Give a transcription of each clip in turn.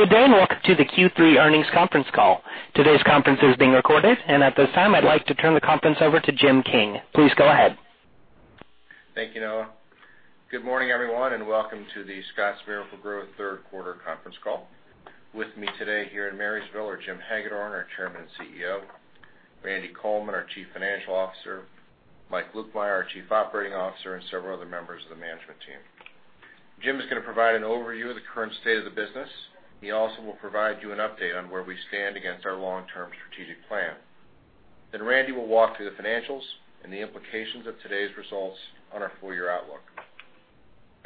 Good day. Welcome to the Q3 earnings conference call. Today's conference is being recorded, and at this time, I'd like to turn the conference over to Jim King. Please go ahead. Thank you, Noah. Good morning, everyone, and welcome to the Scotts Miracle-Gro third quarter conference call. With me today here in Marysville are Jim Hagedorn, our Chairman and CEO, Randy Coleman, our Chief Financial Officer, Mike Lukemire, our Chief Operating Officer, and several other members of the management team. Jim is going to provide an overview of the current state of the business. He also will provide you an update on where we stand against our long-term strategic plan. Randy will walk through the financials and the implications of today's results on our full-year outlook.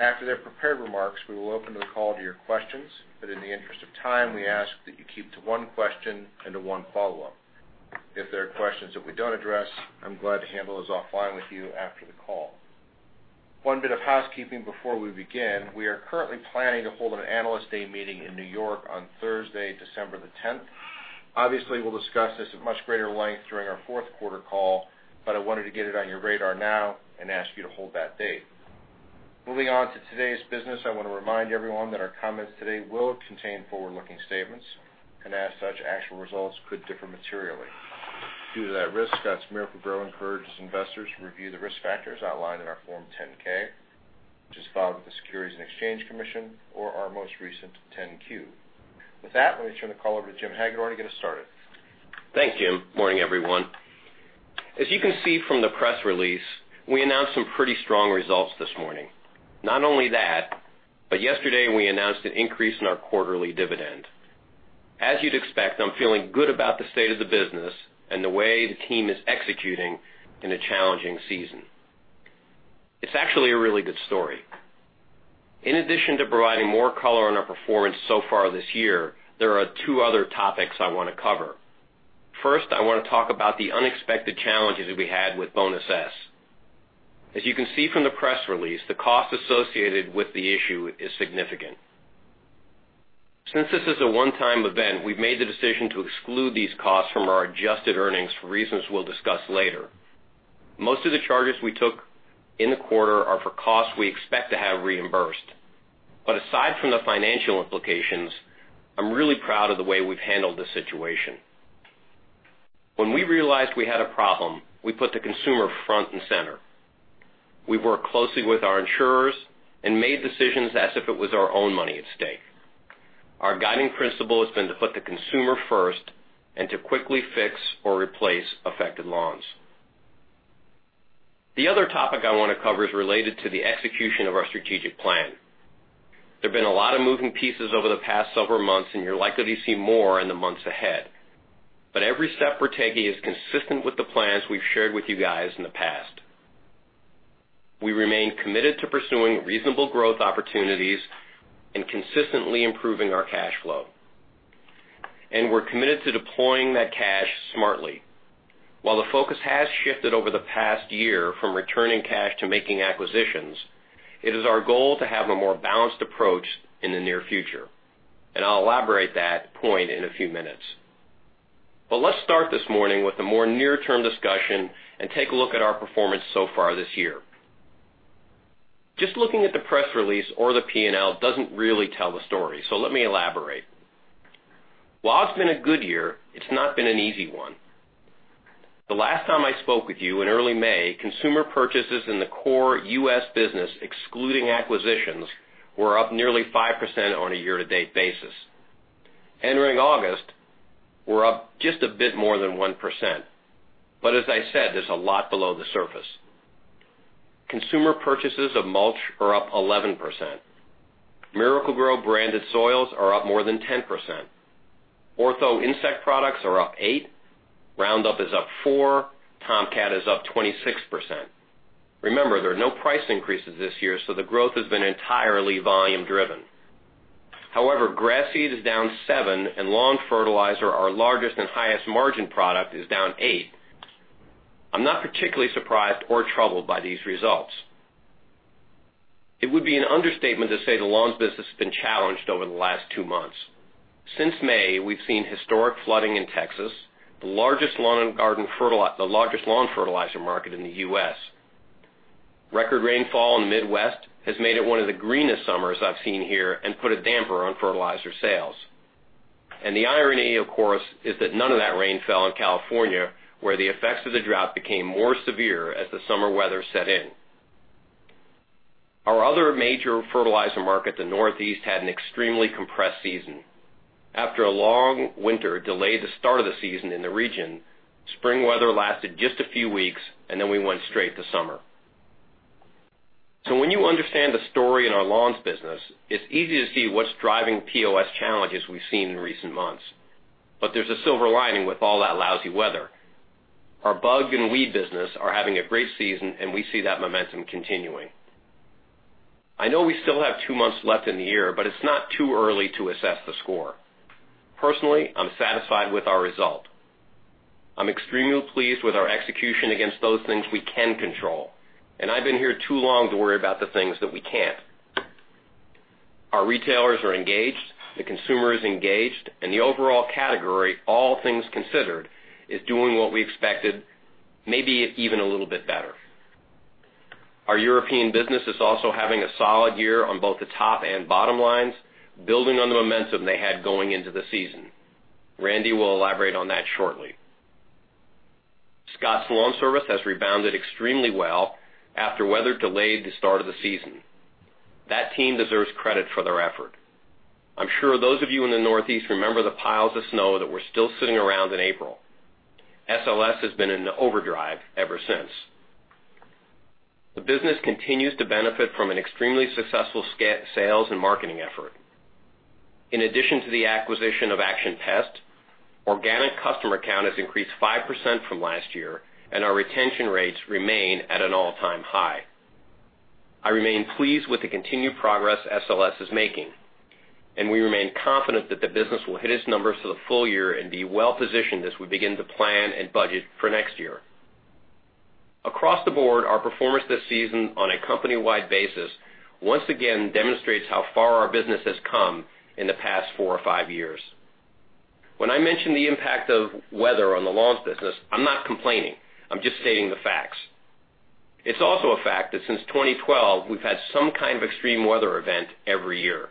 After their prepared remarks, we will open the call to your questions, but in the interest of time, we ask that you keep to one question and to one follow-up. If there are questions that we don't address, I'm glad to handle those offline with you after the call. One bit of housekeeping before we begin. We are currently planning to hold an Analyst Day meeting in New York on Thursday, December 10th. Obviously, we'll discuss this at much greater length during our fourth quarter call, but I wanted to get it on your radar now and ask you to hold that date. Moving on to today's business, I want to remind everyone that our comments today will contain forward-looking statements, and as such, actual results could differ materially. Due to that risk, Scotts Miracle-Gro encourages investors to review the risk factors outlined in our Form 10-K, which is filed with the Securities and Exchange Commission or our most recent 10-Q. With that, let me turn the call over to Jim Hagedorn to get us started. Thanks, Jim. Morning, everyone. As you can see from the press release, we announced some pretty strong results this morning. Not only that, but yesterday we announced an increase in our quarterly dividend. As you'd expect, I'm feeling good about the state of the business and the way the team is executing in a challenging season. It's actually a really good story. In addition to providing more color on our performance so far this year, there are two other topics I want to cover. First, I want to talk about the unexpected challenges that we had with Bonus S. As you can see from the press release, the cost associated with the issue is significant. Since this is a one-time event, we've made the decision to exclude these costs from our adjusted earnings for reasons we'll discuss later. Most of the charges we took in the quarter are for costs we expect to have reimbursed. Aside from the financial implications, I'm really proud of the way we've handled this situation. When we realized we had a problem, we put the consumer front and center. We worked closely with our insurers and made decisions as if it was our own money at stake. Our guiding principle has been to put the consumer first and to quickly fix or replace affected lawns. The other topic I want to cover is related to the execution of our strategic plan. There have been a lot of moving pieces over the past several months, and you're likely to see more in the months ahead. Every step we're taking is consistent with the plans we've shared with you guys in the past. We remain committed to pursuing reasonable growth opportunities and consistently improving our cash flow. We're committed to deploying that cash smartly. While the focus has shifted over the past year from returning cash to making acquisitions, it is our goal to have a more balanced approach in the near future. I'll elaborate that point in a few minutes. Let's start this morning with a more near-term discussion and take a look at our performance so far this year. Just looking at the press release or the P&L doesn't really tell the story, so let me elaborate. While it's been a good year, it's not been an easy one. The last time I spoke with you in early May, consumer purchases in the core U.S. business, excluding acquisitions, were up nearly 5% on a year-to-date basis. Entering August, we're up just a bit more than 1%. As I said, there's a lot below the surface. Consumer purchases of mulch are up 11%. Miracle-Gro branded soils are up more than 10%. Ortho insect products are up 8%, Roundup is up 4%, Tomcat is up 26%. Remember, there are no price increases this year, so the growth has been entirely volume driven. However, grass seed is down 7%, and lawn fertilizer, our largest and highest margin product, is down 8%. I'm not particularly surprised or troubled by these results. It would be an understatement to say the lawns business has been challenged over the last two months. Since May, we've seen historic flooding in Texas, the largest lawn fertilizer market in the U.S. Record rainfall in the Midwest has made it one of the greenest summers I've seen here and put a damper on fertilizer sales. The irony, of course, is that none of that rain fell in California, where the effects of the drought became more severe as the summer weather set in. Our other major fertilizer market, the Northeast, had an an extremely compressed season. After a long winter delayed the start of the season in the region, spring weather lasted just a few weeks. Then we went straight to summer. When you understand the story in our lawns business, it's easy to see what's driving POS challenges we've seen in recent months. There's a silver lining with all that lousy weather. Our bug and weed business are having a great season. We see that momentum continuing. I know we still have two months left in the year, but it's not too early to assess the score. Personally, I'm satisfied with our result. I'm extremely pleased with our execution against those things we can control. I've been here too long to worry about the things that we can't. Our retailers are engaged, the consumer is engaged. The overall category, all things considered, is doing what we expected, maybe even a little bit better. Our European business is also having a solid year on both the top and bottom lines, building on the momentum they had going into the season. Randy will elaborate on that shortly. Scotts LawnService has rebounded extremely well after weather delayed the start of the season. That team deserves credit for their effort. I'm sure those of you in the Northeast remember the piles of snow that were still sitting around in April. SLS has been in the overdrive ever since. The business continues to benefit from an extremely successful sales and marketing effort. In addition to the acquisition of Action Pest, organic customer count has increased 5% from last year. Our retention rates remain at an all-time high. I remain pleased with the continued progress SLS is making. We remain confident that the business will hit its numbers for the full year and be well-positioned as we begin to plan and budget for next year. Across the board, our performance this season on a company-wide basis once again demonstrates how far our business has come in the past four or five years. When I mention the impact of weather on the lawns business, I'm not complaining. I'm just stating the facts. It's also a fact that since 2012, we've had some kind of extreme weather event every year.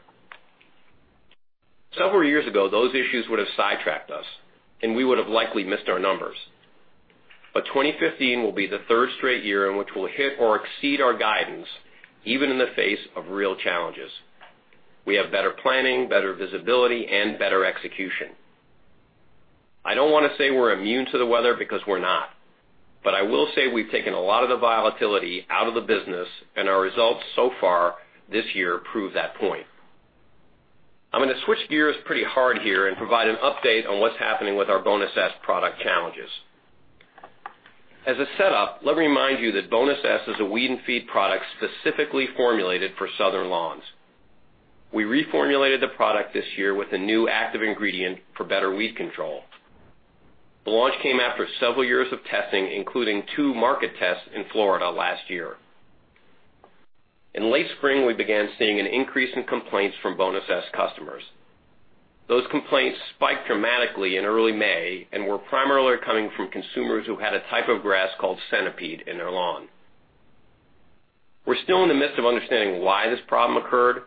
Several years ago, those issues would have sidetracked us. We would have likely missed our numbers. 2015 will be the third straight year in which we'll hit or exceed our guidance, even in the face of real challenges. We have better planning, better visibility, and better execution. I don't want to say we're immune to the weather because we're not. I will say we've taken a lot of the volatility out of the business. Our results so far this year prove that point. I'm going to switch gears pretty hard here and provide an update on what's happening with our Bonus S product challenges. As a setup, let me remind you that Bonus S is a weed and feed product specifically formulated for southern lawns. We reformulated the product this year with a new active ingredient for better weed control. The launch came after several years of testing, including two market tests in Florida last year. In late spring, we began seeing an increase in complaints from Bonus S customers. Those complaints spiked dramatically in early May and were primarily coming from consumers who had a type of grass called centipede in their lawn. We're still in the midst of understanding why this problem occurred.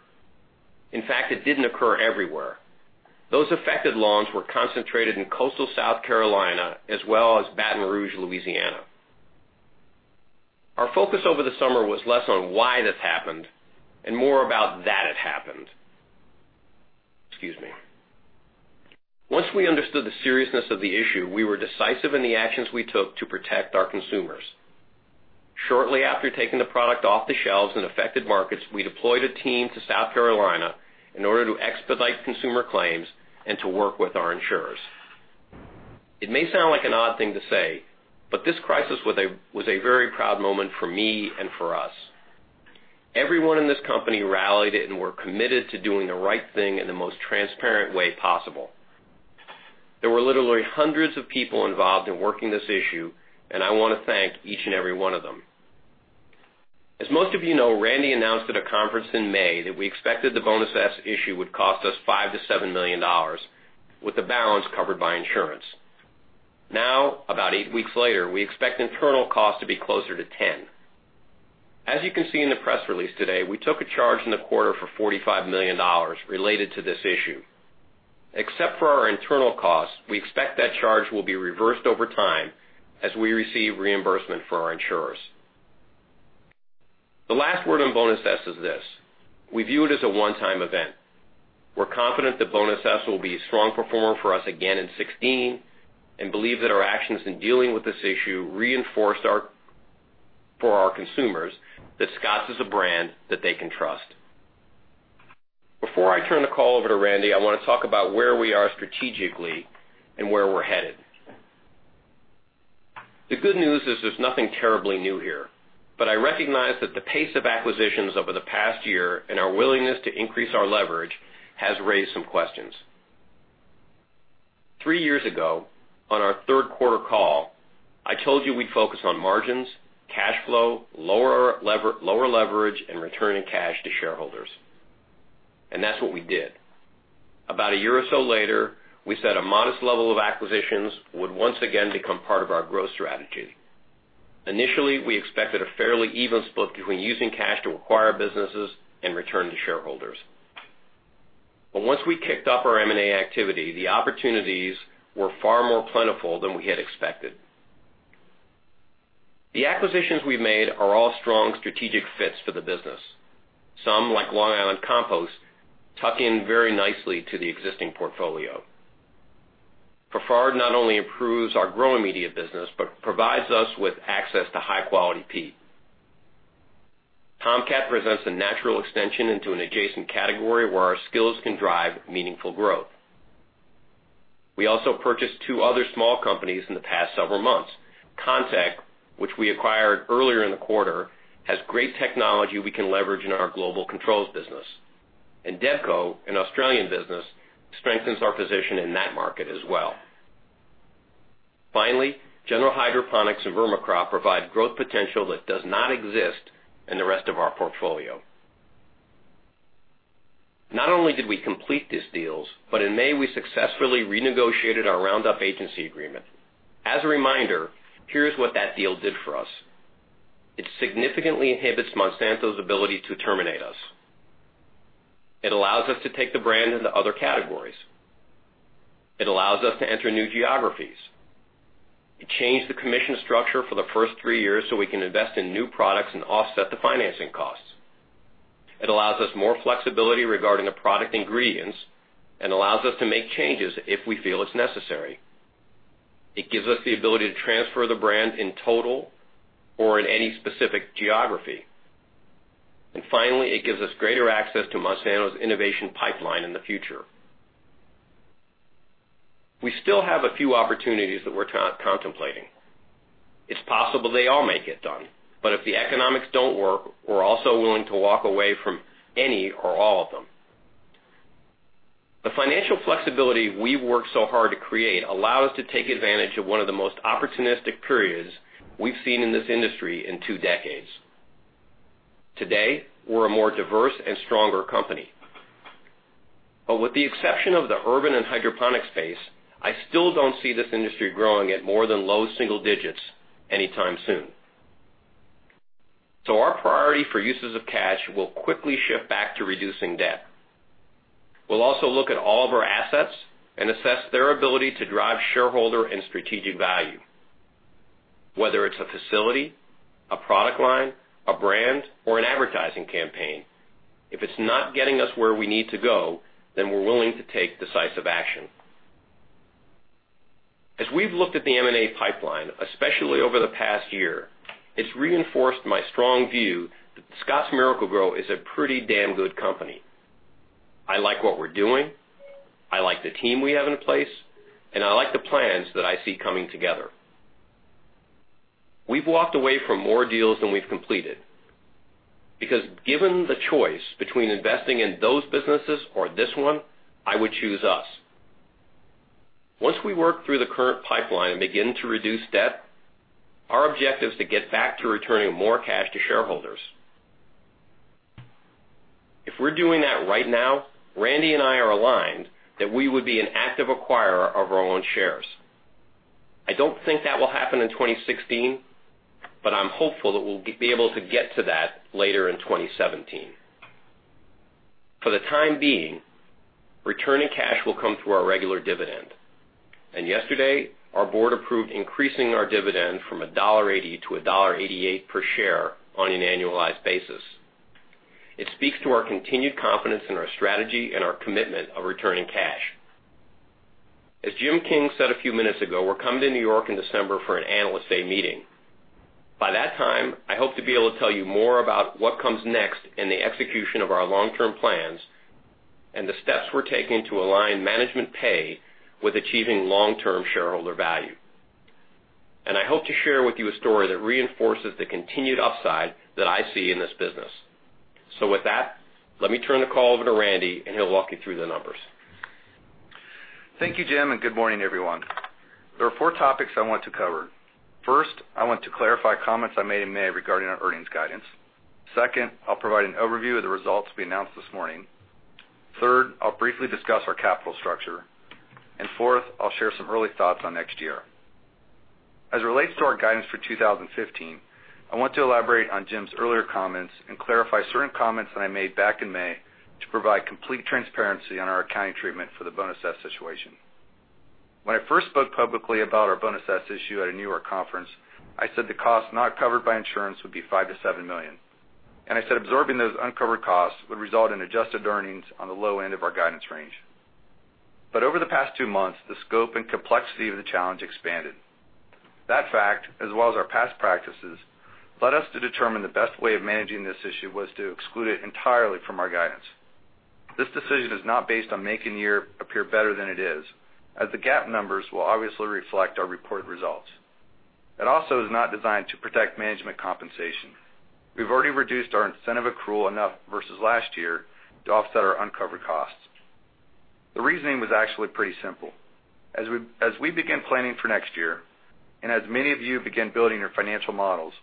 In fact, it didn't occur everywhere. Those affected lawns were concentrated in coastal South Carolina as well as Baton Rouge, Louisiana. Our focus over the summer was less on why this happened and more about that it happened. Excuse me. Once we understood the seriousness of the issue, we were decisive in the actions we took to protect our consumers. Shortly after taking the product off the shelves in affected markets, we deployed a team to South Carolina in order to expedite consumer claims and to work with our insurers. It may sound like an odd thing to say, but this crisis was a very proud moment for me and for us. Everyone in this company rallied it and were committed to doing the right thing in the most transparent way possible. There were literally hundreds of people involved in working this issue. I want to thank each and every one of them. As most of you know, Randy announced at a conference in May that we expected the Bonus S issue would cost us $5 million-$7 million, with the balance covered by insurance. About 8 weeks later, we expect internal costs to be closer to $10. You can see in the press release today, we took a charge in the quarter for $45 million related to this issue. Except for our internal costs, we expect that charge will be reversed over time as we receive reimbursement for our insurers. The last word on Bonus S is this: We view it as a one-time event. We're confident that Bonus S will be a strong performer for us again in 2016 and believe that our actions in dealing with this issue reinforced for our consumers that Scotts is a brand that they can trust. Before I turn the call over to Randy, I want to talk about where we are strategically and where we're headed. The good news is there's nothing terribly new here. I recognize that the pace of acquisitions over the past year and our willingness to increase our leverage has raised some questions. Three years ago, on our third quarter call, I told you we'd focus on margins, cash flow, lower leverage, and returning cash to shareholders. That's what we did. About a year or so later, we said a modest level of acquisitions would once again become part of our growth strategy. Initially, we expected a fairly even split between using cash to acquire businesses and return to shareholders. Once we kicked off our M&A activity, the opportunities were far more plentiful than we had expected. The acquisitions we've made are all strong strategic fits for the business. Some, like Long Island Compost, tuck in very nicely to the existing portfolio. Fafard not only improves our growing media business but provides us with access to high-quality peat. Tomcat presents a natural extension into an adjacent category where our skills can drive meaningful growth. We also purchased two other small companies in the past several months. Contec, which we acquired earlier in the quarter, has great technology we can leverage in our global controls business. Debco, an Australian business, strengthens our position in that market as well. General Hydroponics and Vermicrop provide growth potential that does not exist in the rest of our portfolio. Not only did we complete these deals, in May, we successfully renegotiated our Roundup agency agreement. As a reminder, here's what that deal did for us. It significantly inhibits Monsanto's ability to terminate us. It allows us to take the brand into other categories. It allows us to enter new geographies. It changed the commission structure for the first three years so we can invest in new products and offset the financing costs. It allows us more flexibility regarding the product ingredients and allows us to make changes if we feel it's necessary. It gives us the ability to transfer the brand in total or in any specific geography. Finally, it gives us greater access to Monsanto's innovation pipeline in the future. We still have a few opportunities that we're contemplating. It's possible they all may get done, but if the economics don't work, we're also willing to walk away from any or all of them. The financial flexibility we worked so hard to create allow us to take advantage of one of the most opportunistic periods we've seen in this industry in two decades. Today, we're a more diverse and stronger company. With the exception of the urban and hydroponic space, I still don't see this industry growing at more than low single digits anytime soon. Our priority for uses of cash will quickly shift back to reducing debt. We'll also look at all of our assets and assess their ability to drive shareholder and strategic value, whether it's a facility, a product line, a brand, or an advertising campaign. If it's not getting us where we need to go, then we're willing to take decisive action. As we've looked at the M&A pipeline, especially over the past year, it's reinforced my strong view that Scotts Miracle-Gro is a pretty damn good company. I like what we're doing, I like the team we have in place, and I like the plans that I see coming together. We've walked away from more deals than we've completed because given the choice between investing in those businesses or this one, I would choose us. Once we work through the current pipeline and begin to reduce debt, our objective is to get back to returning more cash to shareholders. If we're doing that right now, Randy and I are aligned that we would be an active acquirer of our own shares. I don't think that will happen in 2016, but I'm hopeful that we'll be able to get to that later in 2017. For the time being, returning cash will come through our regular dividend. Yesterday, our board approved increasing our dividend from $1.80 to $1.88 per share on an annualized basis. It speaks to our continued confidence in our strategy and our commitment of returning cash. As Jim King said a few minutes ago, we're coming to New York in December for an Analyst Day meeting. By that time, I hope to be able to tell you more about what comes next in the execution of our long-term plans and the steps we're taking to align management pay with achieving long-term shareholder value. I hope to share with you a story that reinforces the continued upside that I see in this business. With that, let me turn the call over to Randy and he'll walk you through the numbers. Thank you, Jim, and good morning, everyone. There are four topics I want to cover. First, I want to clarify comments I made in May regarding our earnings guidance. Second, I'll provide an overview of the results we announced this morning. Third, I'll briefly discuss our capital structure. Fourth, I'll share some early thoughts on next year. As it relates to our guidance for 2015, I want to elaborate on Jim's earlier comments and clarify certain comments that I made back in May to provide complete transparency on our accounting treatment for the Bonus S situation. When I first spoke publicly about our Bonus S issue at a New York conference, I said the cost not covered by insurance would be $5 million-$7 million, I said absorbing those uncovered costs would result in adjusted earnings on the low end of our guidance range. Over the past two months, the scope and complexity of the challenge expanded. That fact, as well as our past practices, led us to determine the best way of managing this issue was to exclude it entirely from our guidance. This decision is not based on making the year appear better than it is, as the GAAP numbers will obviously reflect our reported results. It also is not designed to protect management compensation. We've already reduced our incentive accrual enough versus last year to offset our uncovered costs. The reasoning was actually pretty simple. As we begin planning for next year, as many of you begin building your financial models,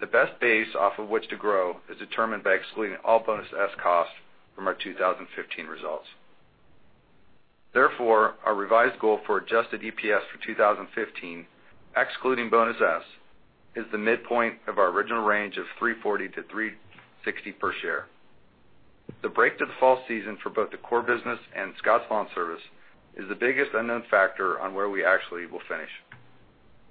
the best base off of which to grow is determined by excluding all Bonus S costs from our 2015 results. Therefore, our revised goal for adjusted EPS for 2015, excluding Bonus S, is the midpoint of our original range of $3.40-$3.60 per share. The break to the fall season for both the core business and Scotts LawnService is the biggest unknown factor on where we actually will finish.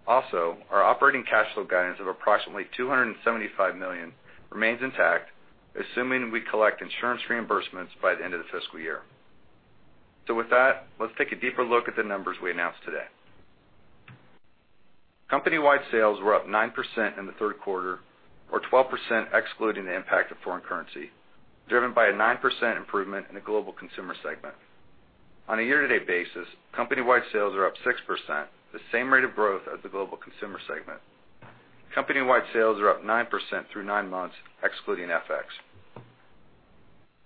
Also, our operating cash flow guidance of approximately $275 million remains intact, assuming we collect insurance reimbursements by the end of the fiscal year. With that, let's take a deeper look at the numbers we announced today. Company-wide sales were up 9% in the third quarter or 12% excluding the impact of foreign currency, driven by a 9% improvement in the Global Consumer segment. On a year-to-date basis, company-wide sales are up 6%, the same rate of growth as the Global Consumer segment. Company-wide sales are up 9% through nine months, excluding FX.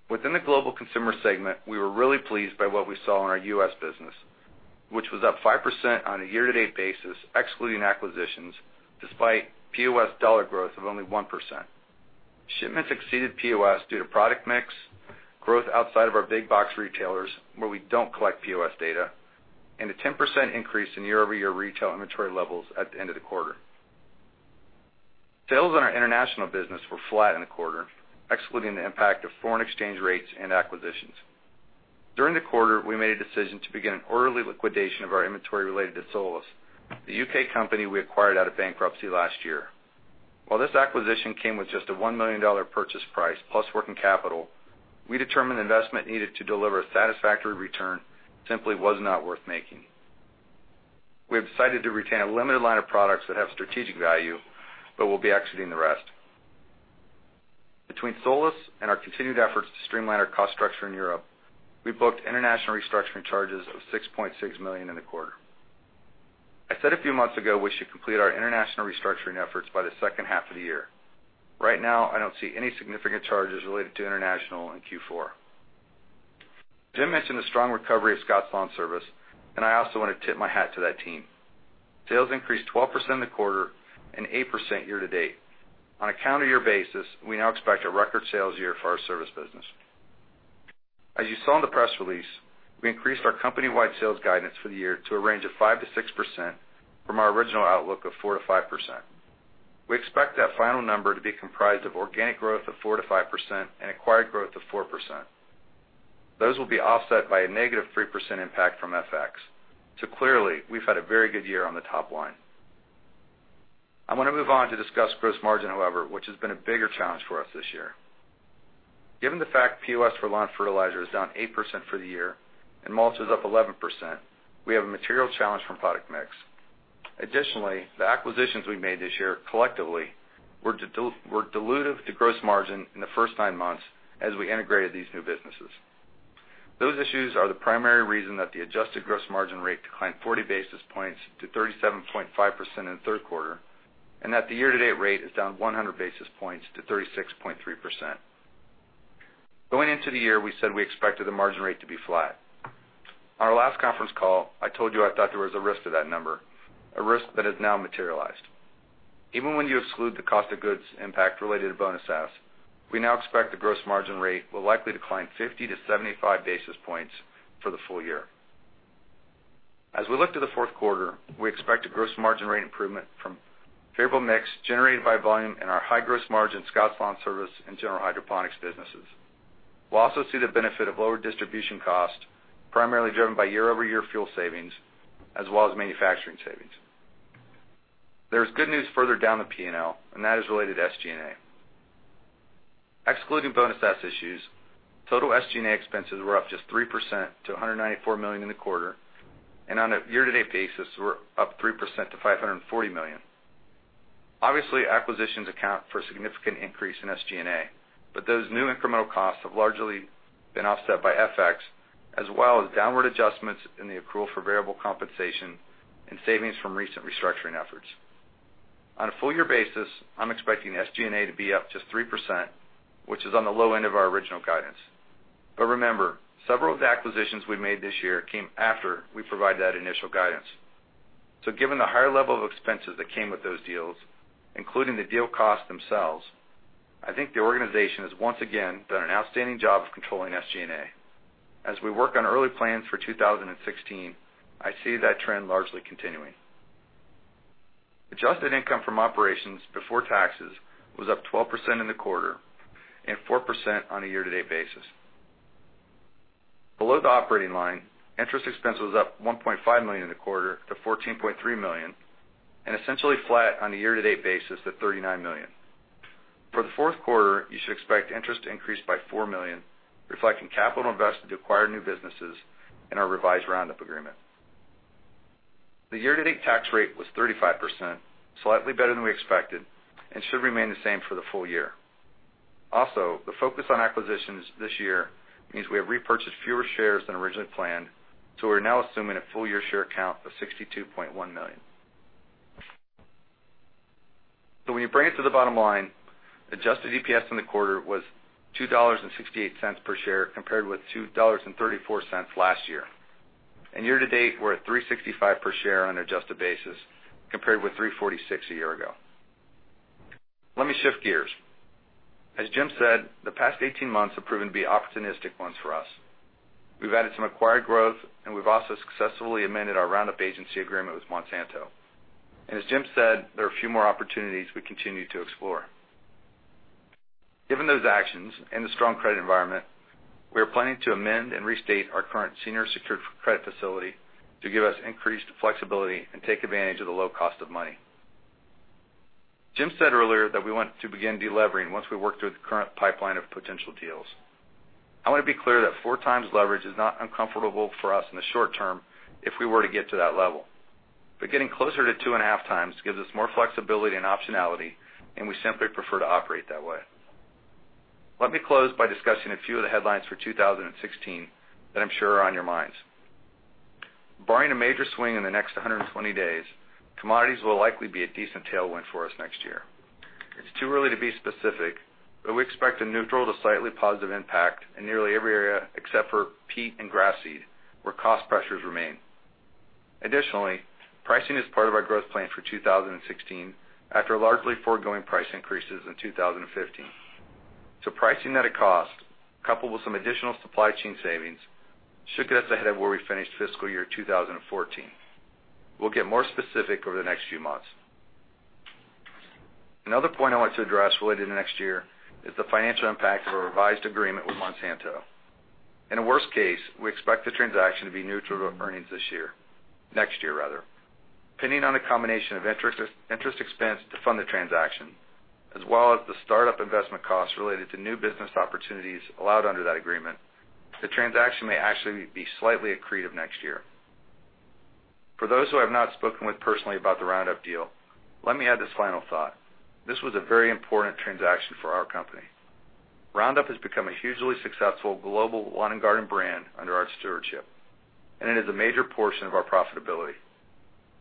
Within the Global Consumer segment, we were really pleased by what we saw in our U.S. business. Which was up 5% on a year-to-date basis, excluding acquisitions, despite POS dollar growth of only 1%. Shipments exceeded POS due to product mix, growth outside of our big box retailers, where we don't collect POS data, and a 10% increase in year-over-year retail inventory levels at the end of the quarter. Sales in our international business were flat in the quarter, excluding the impact of foreign exchange rates and acquisitions. During the quarter, we made a decision to begin an orderly liquidation of our inventory related to Solus, the U.K. company we acquired out of bankruptcy last year. While this acquisition came with just a $1 million purchase price plus working capital, we determined the investment needed to deliver a satisfactory return simply was not worth making. We have decided to retain a limited line of products that have strategic value, but we'll be exiting the rest. Between Solus and our continued efforts to streamline our cost structure in Europe, we booked international restructuring charges of $6.6 million in the quarter. I said a few months ago we should complete our international restructuring efforts by the second half of the year. Right now, I don't see any significant charges related to international in Q4. Jim mentioned the strong recovery of Scotts LawnService, and I also want to tip my hat to that team. Sales increased 12% in the quarter and 8% year-to-date. On a calendar year basis, we now expect a record sales year for our service business. As you saw in the press release, we increased our company-wide sales guidance for the year to a range of 5%-6% from our original outlook of 4%-5%. We expect that final number to be comprised of organic growth of 4%-5% and acquired growth of 4%. Those will be offset by a negative 3% impact from FX. Clearly, we've had a very good year on the top line. I want to move on to discuss gross margin, however, which has been a bigger challenge for us this year. Given the fact POS for lawn fertilizer is down 8% for the year and mulch is up 11%, we have a material challenge from product mix. Additionally, the acquisitions we made this year collectively were dilutive to gross margin in the first nine months as we integrated these new businesses. Those issues are the primary reason that the adjusted gross margin rate declined 40 basis points to 37.5% in the third quarter, and that the year-to-date rate is down 100 basis points to 36.3%. Going into the year, we said we expected the margin rate to be flat. On our last conference call, I told you I thought there was a risk to that number, a risk that has now materialized. Even when you exclude the cost of goods impact related to Bonus S, we now expect the gross margin rate will likely decline 50-75 basis points for the full year. As we look to the fourth quarter, we expect a gross margin rate improvement from favorable mix generated by volume in our high gross margin Scotts LawnService and General Hydroponics businesses. We'll also see the benefit of lower distribution cost, primarily driven by year-over-year fuel savings as well as manufacturing savings. There is good news further down the P&L, and that is related to SG&A. Excluding Bonus S issues, total SG&A expenses were up just 3% to $194 million in the quarter, and on a year-to-date basis were up 3% to $540 million. Obviously, acquisitions account for a significant increase in SG&A, but those new incremental costs have largely been offset by FX as well as downward adjustments in the accrual for variable compensation and savings from recent restructuring efforts. On a full year basis, I'm expecting SG&A to be up just 3%, which is on the low end of our original guidance. Remember, several of the acquisitions we made this year came after we provided that initial guidance. Given the higher level of expenses that came with those deals, including the deal costs themselves, I think the organization has once again done an outstanding job of controlling SG&A. As we work on early plans for 2016, I see that trend largely continuing. Adjusted income from operations before taxes was up 12% in the quarter and 4% on a year-to-date basis. Below the operating line, interest expense was up $1.5 million in the quarter to $14.3 million and essentially flat on a year-to-date basis to $39 million. For the fourth quarter, you should expect interest to increase by $4 million, reflecting capital invested to acquire new businesses and our revised Roundup agreement. The year-to-date tax rate was 35%, slightly better than we expected and should remain the same for the full year. The focus on acquisitions this year means we have repurchased fewer shares than originally planned, we're now assuming a full-year share count of 62.1 million. When you bring it to the bottom line, adjusted EPS in the quarter was $2.68 per share compared with $2.34 last year. Year to date, we're at $3.65 per share on an adjusted basis compared with $3.46 a year ago. Let me shift gears. As Jim said, the past 18 months have proven to be opportunistic ones for us. We've added some acquired growth, and we've also successfully amended our Roundup agency agreement with Monsanto. As Jim said, there are a few more opportunities we continue to explore. Given those actions and the strong credit environment, we are planning to amend and restate our current senior secured credit facility to give us increased flexibility and take advantage of the low cost of money. Jim said earlier that we want to begin de-levering once we work through the current pipeline of potential deals. I want to be clear that 4 times leverage is not uncomfortable for us in the short term if we were to get to that level. Getting closer to 2.5 times gives us more flexibility and optionality, and we simply prefer to operate that way. Let me close by discussing a few of the headlines for 2016 that I'm sure are on your minds. Barring a major swing in the next 120 days, commodities will likely be a decent tailwind for us next year. It's too early to be specific, we expect a neutral to slightly positive impact in nearly every area except for peat and grass seed, where cost pressures remain. Additionally, pricing is part of our growth plan for 2016 after largely foregoing price increases in 2015. Pricing net of cost, coupled with some additional supply chain savings, should get us ahead of where we finished fiscal year 2014. We'll get more specific over the next few months. Another point I want to address related to next year is the financial impact of a revised agreement with Monsanto. In a worst case, we expect the transaction to be neutral to earnings this year. Next year, rather. Pending on a combination of interest expense to fund the transaction, as well as the startup investment costs related to new business opportunities allowed under that agreement, the transaction may actually be slightly accretive next year. For those who I've not spoken with personally about the Roundup deal, let me add this final thought. This was a very important transaction for our company. Roundup has become a hugely successful global lawn and garden brand under our stewardship, and it is a major portion of our profitability.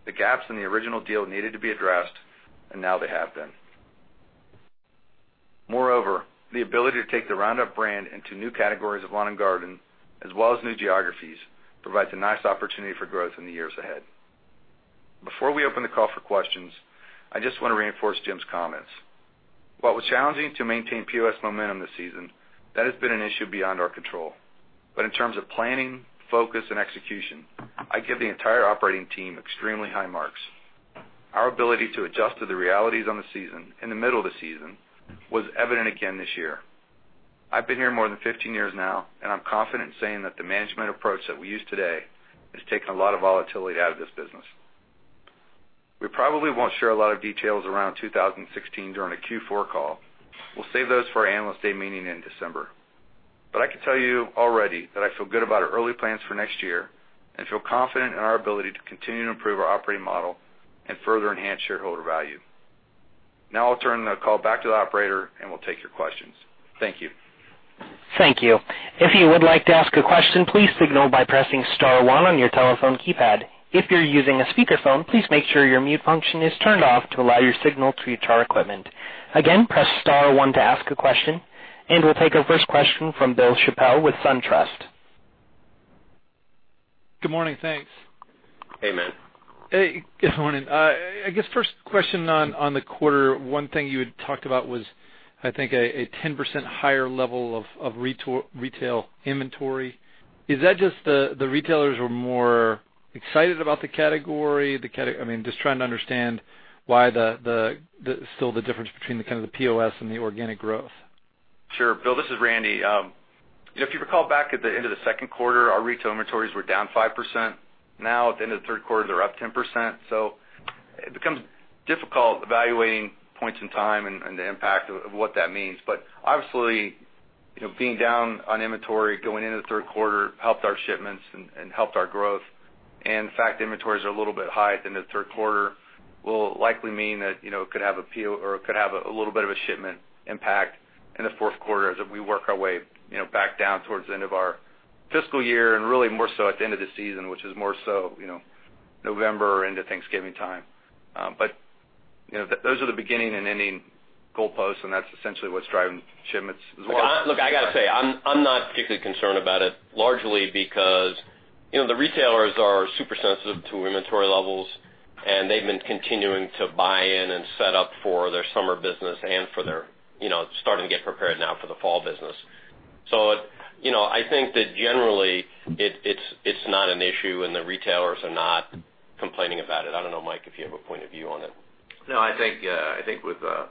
The gaps in the original deal needed to be addressed, and now they have been. Moreover, the ability to take the Roundup brand into new categories of lawn and garden, as well as new geographies, provides a nice opportunity for growth in the years ahead. Before we open the call for questions, I just want to reinforce Jim's comments. While it was challenging to maintain POS momentum this season, that has been an issue beyond our control. In terms of planning, focus, and execution, I give the entire operating team extremely high marks. Our ability to adjust to the realities on the season, in the middle of the season, was evident again this year. I've been here more than 15 years now, and I'm confident in saying that the management approach that we use today has taken a lot of volatility out of this business. We probably won't share a lot of details around 2016 during the Q4 call. We'll save those for our Analyst Day meeting in December. I can tell you already that I feel good about our early plans for next year and feel confident in our ability to continue to improve our operating model and further enhance shareholder value. Now I'll turn the call back to the operator and we'll take your questions. Thank you. Thank you. If you would like to ask a question, please signal by pressing *1 on your telephone keypad. If you're using a speakerphone, please make sure your mute function is turned off to allow your signal to reach our equipment. Again, press *1 to ask a question, and we'll take our first question from Bill Chappell with SunTrust. Good morning. Thanks. Hey, man. Hey, good morning. I guess first question on the quarter. One thing you had talked about was, I think, a 10% higher level of retail inventory. Is that just the retailers were more excited about the category? Just trying to understand why the difference between the POS and the organic growth. Sure. Bill, this is Randy. If you recall back at the end of the second quarter, our retail inventories were down 5%. At the end of the third quarter, they're up 10%. It becomes difficult evaluating points in time and the impact of what that means. Obviously, being down on inventory going into the third quarter helped our shipments and helped our growth. The fact inventories are a little bit high at the end of the third quarter will likely mean that it could have a little bit of a shipment impact in the fourth quarter as we work our way back down towards the end of our fiscal year, and really more so at the end of the season, which is more so November into Thanksgiving time. Those are the beginning and ending goalposts, and that's essentially what's driving shipments as well. I got to say, I'm not particularly concerned about it, largely because the retailers are super sensitive to inventory levels, and they've been continuing to buy in and set up for their summer business and for their starting to get prepared now for the fall business. I think that generally it's not an issue and the retailers are not complaining about it. I don't know, Mike, if you have a point of view on it. I think with the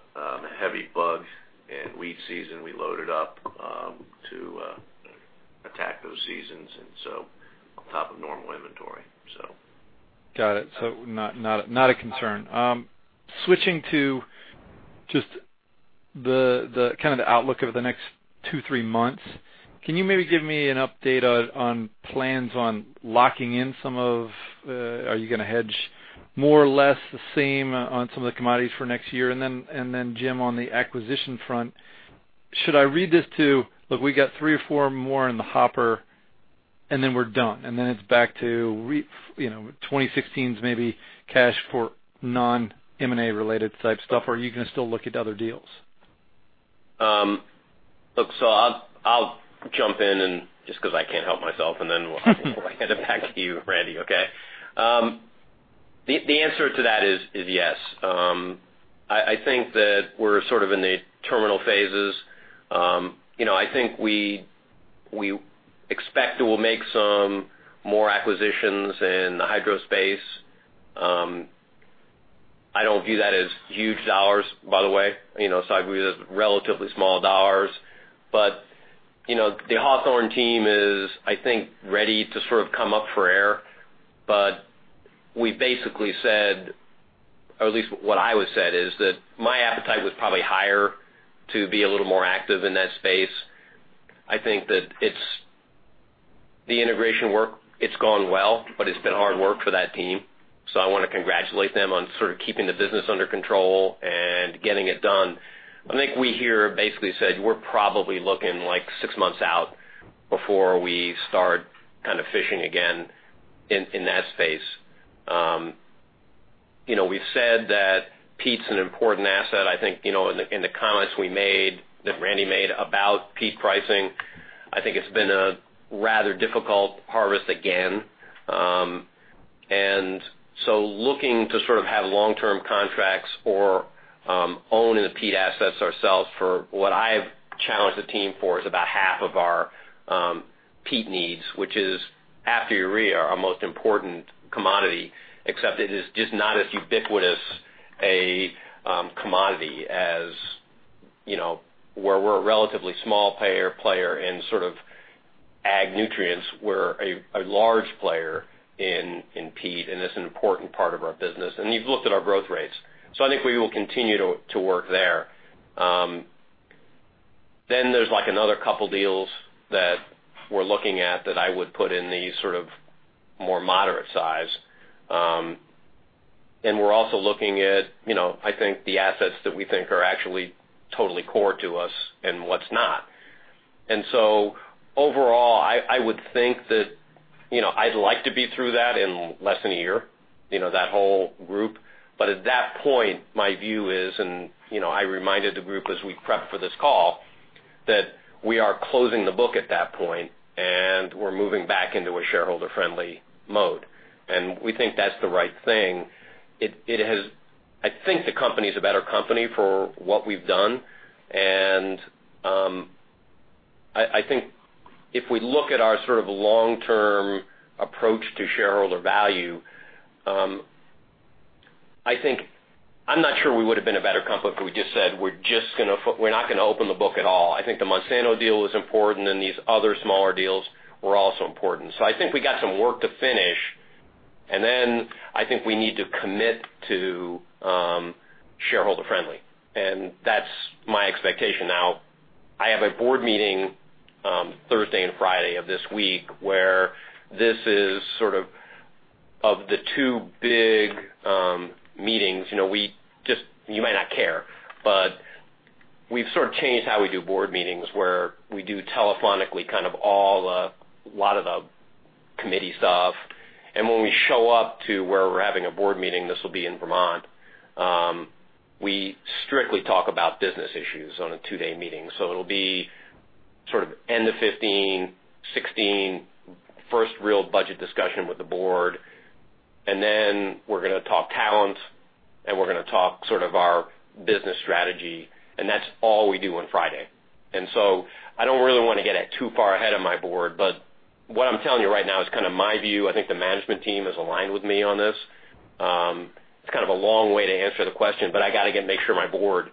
heavy bugs and weed season, we loaded up to attack those seasons, on top of normal inventory. Got it. Not a concern. Switching to just the kind of the outlook over the next two, three months, can you maybe give me an update on plans on locking in some of, are you going to hedge more or less the same on some of the commodities for next year? Then, Jim, on the acquisition front, should I read this to, look, we got three or four more in the hopper and then we're done, and then it's back to 2016's maybe cash for non-M&A related type stuff? Are you going to still look at other deals? I'll jump in just because I can't help myself, then we'll hand it back to you, Randy, okay? The answer to that is yes. I think that we're sort of in the terminal phases. I think we expect that we'll make some more acquisitions in the hydro space. I don't view that as huge dollars, by the way. I view that as relatively small dollars. The Hawthorne team is, I think, ready to sort of come up for air. We basically said, or at least what I always said, is that my appetite was probably higher to be a little more active in that space. I think that the integration work, it's gone well, but it's been hard work for that team. I want to congratulate them on sort of keeping the business under control and getting it done. I think we here basically said we're probably looking six months out before we start kind of fishing again in that space. We've said that peat's an important asset. I think, in the comments that Randy Coleman made about peat pricing, I think it's been a rather difficult harvest again. Looking to sort of have long-term contracts or own the peat assets ourselves for what I've challenged the team for is about half of our peat needs, which is after urea, our most important commodity, except it is just not as ubiquitous a commodity as where we're a relatively small player in sort of ag nutrients. We're a large player in peat, and it's an important part of our business. You've looked at our growth rates. I think we will continue to work there. There's another couple deals that we're looking at that I would put in the sort of more moderate size. We're also looking at, I think the assets that we think are actually totally core to us and what's not. Overall, I would think that I'd like to be through that in less than a year, that whole group. At that point, my view is, and I reminded the group as we prepped for this call, that we are closing the book at that point and we're moving back into a shareholder-friendly mode. We think that's the right thing. I think the company's a better company for what we've done. I think if we look at our sort of long-term approach to shareholder value, I'm not sure we would've been a better company if we just said, "We're not going to open the book at all." I think the Monsanto deal was important and these other smaller deals were also important. I think we got some work to finish, and then I think we need to commit to shareholder friendly. That's my expectation. Now, I have a board meeting Thursday and Friday of this week where this is sort of the two big meetings. You might not care, but we've sort of changed how we do board meetings where we do telephonically kind of a lot of the committee stuff. When we show up to where we're having a board meeting, this will be in Vermont, we strictly talk about business issues on a two-day meeting. It'll be sort of end of 2015, 2016, first real budget discussion with the board. We're going to talk talent, and we're going to talk sort of our business strategy, and that's all we do on Friday. I don't really want to get it too far ahead of my board, but what I'm telling you right now is kind of my view. I think the management team is aligned with me on this. It's kind of a long way to answer the question, but I got to, again, make sure my board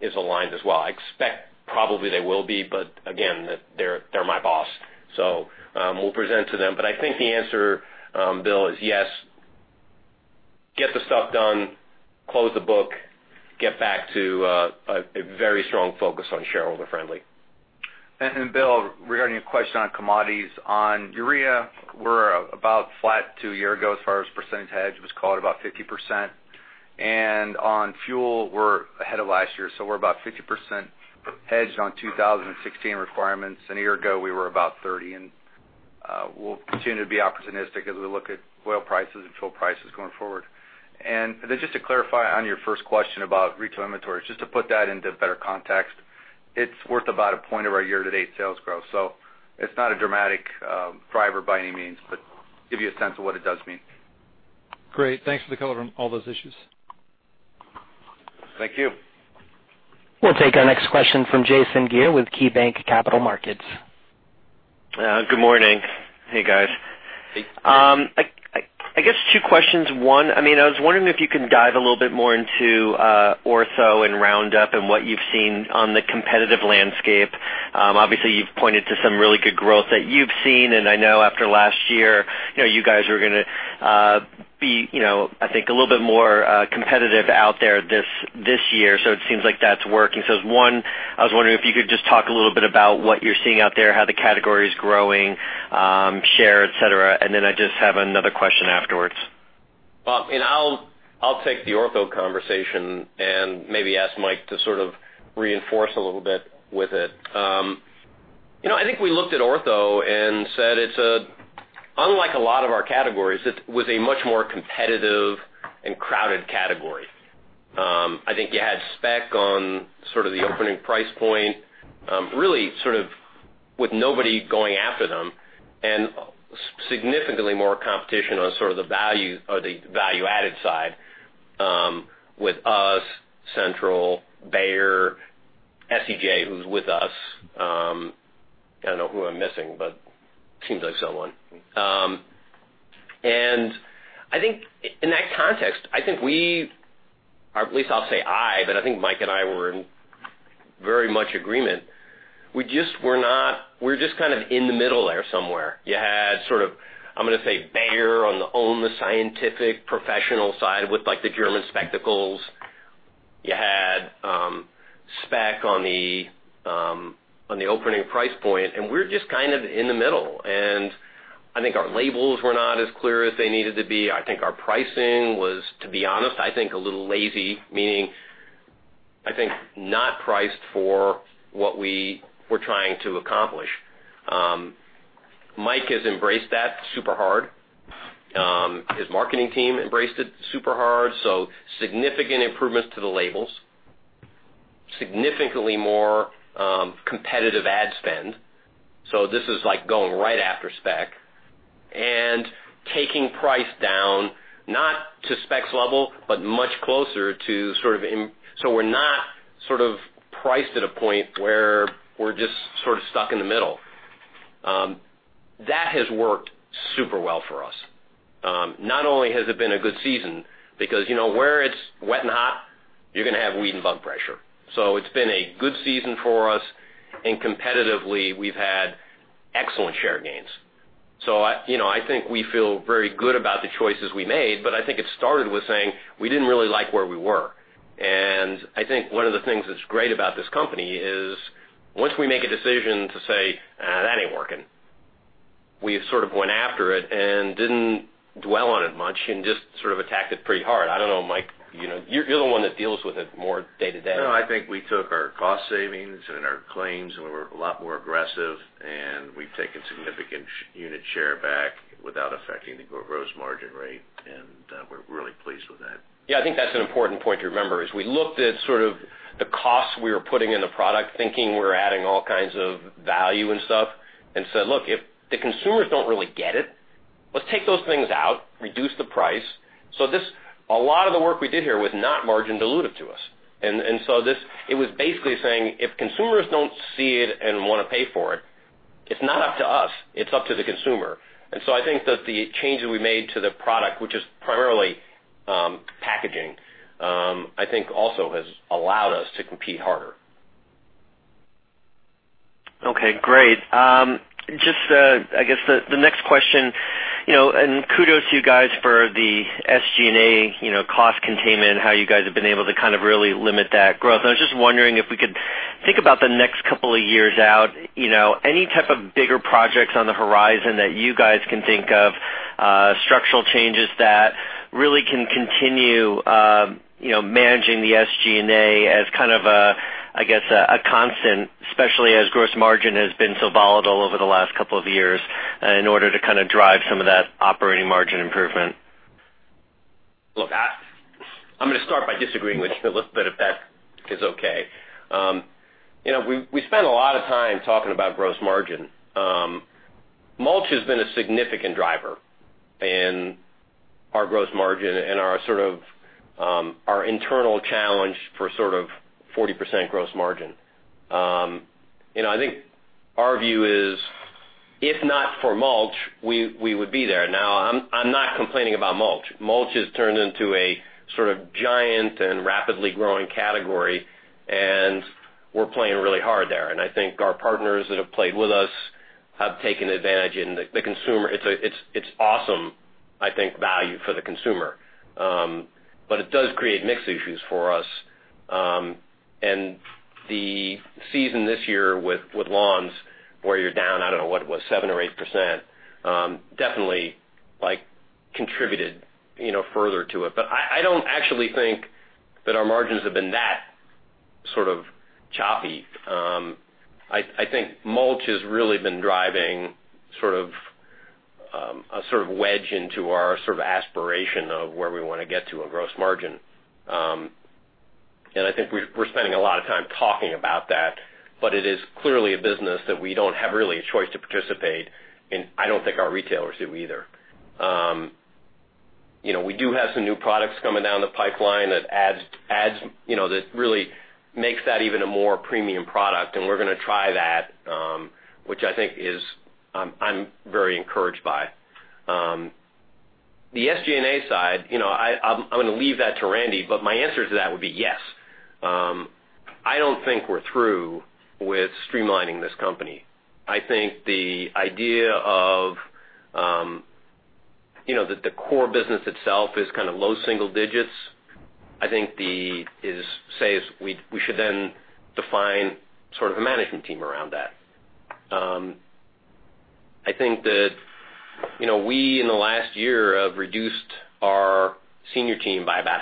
is aligned as well. I expect probably they will be, but again, they're my boss. We'll present to them. I think the answer, Bill Chappell, is yes. Get the stuff done, close the book, get back to a very strong focus on shareholder friendly. Bill, regarding a question on commodities. On urea, we're about flat to a year ago as far as percentage hedge was called about 50%. On fuel, we're ahead of last year. We're about 50% hedged on 2016 requirements. A year ago we were about 30, and we'll continue to be opportunistic as we look at oil prices and fuel prices going forward. Just to clarify on your first question about retail inventory, just to put that into better context, it's worth about a point of our year-to-date sales growth. It's not a dramatic driver by any means, but give you a sense of what it does mean. Great. Thanks for the color on all those issues. Thank you. We'll take our next question from Jason Gere with KeyBanc Capital Markets. Good morning. Hey, guys. Hey. I guess two questions. One, I was wondering if you can dive a little bit more into Ortho and Roundup and what you've seen on the competitive landscape. Obviously, you've pointed to some really good growth that you've seen, and I know after last year, you guys are going to be, I think, a little bit more competitive out there this year. It seems like that's working. One, I was wondering if you could just talk a little bit about what you're seeing out there, how the category's growing, share, et cetera. Then I just have another question afterwards. I'll take the Ortho conversation and maybe ask Mike to sort of reinforce a little bit with it. I think we looked at Ortho and said it's unlike a lot of our categories. It was a much more competitive and crowded category. I think you had Spec on sort of the opening price point, really sort of with nobody going after them, and significantly more competition on sort of the value or the value-added side with us, Central, Bayer, SCJ, who's with us. I don't know who I'm missing, but seems like someone. I think in that context, I think we are, at least I'll say I, but I think Mike and I were in very much agreement. We're just kind of in the middle there somewhere. You had sort of, I'm going to say Bayer on the own the scientific professional side with like the German spectacles. You had Spec on the opening price point. We're just kind of in the middle. I think our labels were not as clear as they needed to be. I think our pricing was, to be honest, I think a little lazy, meaning I think, not priced for what we were trying to accomplish. Mike has embraced that super hard. His marketing team embraced it super hard. Significant improvements to the labels, significantly more competitive ad spend. This is like going right after Spec and taking price down, not to Spec's level, but much closer to sort of. We're not priced at a point where we're just stuck in the middle. That has worked super well for us. Not only has it been a good season, because where it's wet and hot, you're going to have weed and bug pressure. It's been a good season for us. Competitively, we've had excellent share gains. I think we feel very good about the choices we made, but I think it started with saying we didn't really like where we were. I think one of the things that's great about this company is once we make a decision to say, "That ain't working," we sort of went after it and didn't dwell on it much and just sort of attacked it pretty hard. I don't know, Mike, you're the one that deals with it more day to day. No, I think we took our cost savings and our claims. We're a lot more aggressive. We've taken significant unit share back without affecting the gross margin rate. We're really pleased with that. Yeah, I think that's an important point to remember is we looked at sort of the costs we were putting in the product, thinking we're adding all kinds of value and stuff and said, "Look, if the consumers don't really get it, let's take those things out, reduce the price." A lot of the work we did here was not margin dilutive to us. It was basically saying, if consumers don't see it and want to pay for it's not up to us. It's up to the consumer. I think that the changes we made to the product, which is primarily packaging, I think also has allowed us to compete harder. Okay, great. Just, I guess, the next question. Kudos to you guys for the SG&A cost containment and how you guys have been able to kind of really limit that growth. I was just wondering if we could think about the next couple of years out, any type of bigger projects on the horizon that you guys can think of, structural changes that really can continue managing the SG&A as kind of, I guess, a constant, especially as gross margin has been so volatile over the last couple of years in order to kind of drive some of that operating margin improvement. I'm going to start by disagreeing with you a little bit, if that is okay. We spend a lot of time talking about gross margin. Mulch has been a significant driver in our gross margin and our internal challenge for sort of 40% gross margin. I think our view is, if not for mulch, we would be there. I'm not complaining about mulch. Mulch has turned into a sort of giant and rapidly growing category, and we're playing really hard there. I think our partners that have played with us have taken advantage in the consumer. It's awesome, I think, value for the consumer. It does create mix issues for us. The season this year with lawns, where you're down, I don't know what it was, 7% or 8%, definitely contributed further to it. I don't actually think that our margins have been that sort of choppy. I think mulch has really been driving a sort of wedge into our sort of aspiration of where we want to get to a gross margin. I think we're spending a lot of time talking about that, but it is clearly a business that we don't have really a choice to participate in. I don't think our retailers do either. We do have some new products coming down the pipeline that really makes that even a more premium product, and we're going to try that, which I think I'm very encouraged by. The SG&A side, I'm going to leave that to Randy, but my answer to that would be yes. I don't think we're through with streamlining this company. I think the idea of the core business itself is kind of low single digits. I think we should define sort of a management team around that. I think that we, in the last year, have reduced our senior team by about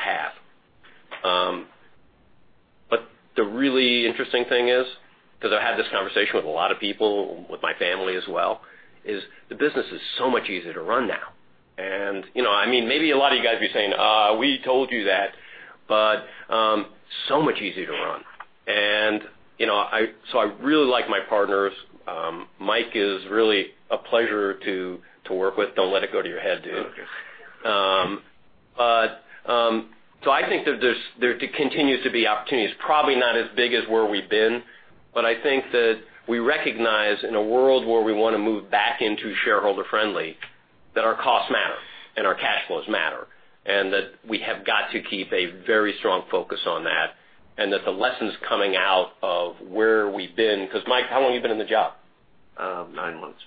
half. The really interesting thing is, because I've had this conversation with a lot of people, with my family as well, is the business is so much easier to run now. Maybe a lot of you guys would be saying, "We told you that," but so much easier to run. I really like my partners. Mike is really a pleasure to work with. Don't let it go to your head, dude. Okay. I think that there continues to be opportunities, probably not as big as where we've been. I think that we recognize in a world where we want to move back into shareholder friendly, that our costs matter and our cash flows matter, and that we have got to keep a very strong focus on that, and that the lessons coming out of where we've been, because Mike, how long have you been in the job? Nine months.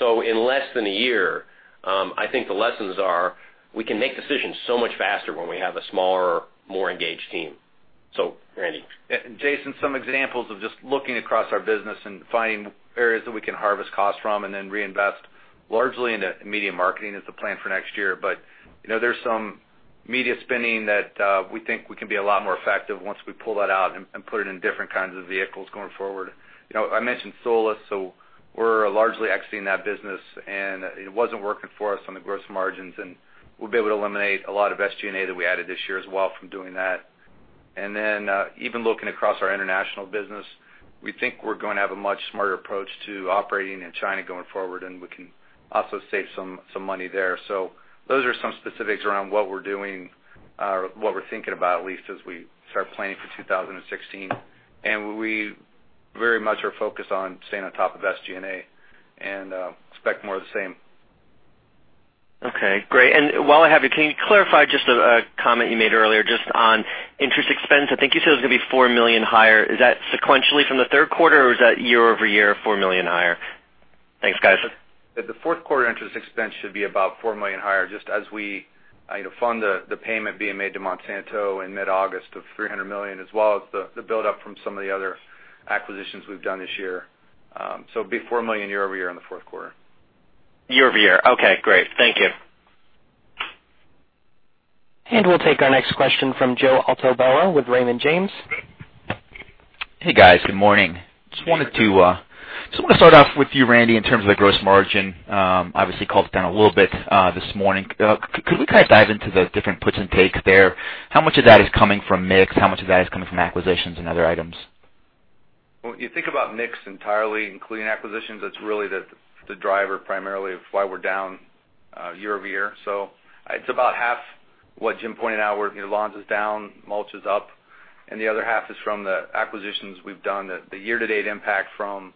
In less than a year, I think the lessons are we can make decisions so much faster when we have a smaller, more engaged team. Randy. Jason, some examples of just looking across our business and finding areas that we can harvest costs from and then reinvest largely into media marketing is the plan for next year. There's some Media spending that we think we can be a lot more effective once we pull that out and put it in different kinds of vehicles going forward. I mentioned Solus, we're largely exiting that business, and it wasn't working for us on the gross margins, and we'll be able to eliminate a lot of SG&A that we added this year as well from doing that. Even looking across our international business, we think we're going to have a much smarter approach to operating in China going forward, and we can also save some money there. Those are some specifics around what we're doing, or what we're thinking about at least as we start planning for 2016. We very much are focused on staying on top of SG&A and expect more of the same. Okay, great. While I have you, can you clarify just a comment you made earlier just on interest expense? I think you said it was going to be $4 million higher. Is that sequentially from the third quarter, or is that year-over-year $4 million higher? Thanks, guys. The fourth quarter interest expense should be about $4 million higher, just as we fund the payment being made to Monsanto in mid-August of $300 million, as well as the buildup from some of the other acquisitions we've done this year. It'll be $4 million year-over-year in the fourth quarter. Year-over-year. Okay, great. Thank you. We'll take our next question from Joe Altobello with Raymond James. Hey, guys. Good morning. Hey. Just wanted to start off with you, Randy, in terms of the gross margin. Obviously, called it down a little bit this morning. Could we kind of dive into the different puts and takes there? How much of that is coming from mix? How much of that is coming from acquisitions and other items? When you think about mix entirely, including acquisitions, that's really the driver primarily of why we're down year-over-year. It's about half what Jim pointed out, where lawns is down, mulch is up, and the other half is from the acquisitions we've done, the year-to-date impact from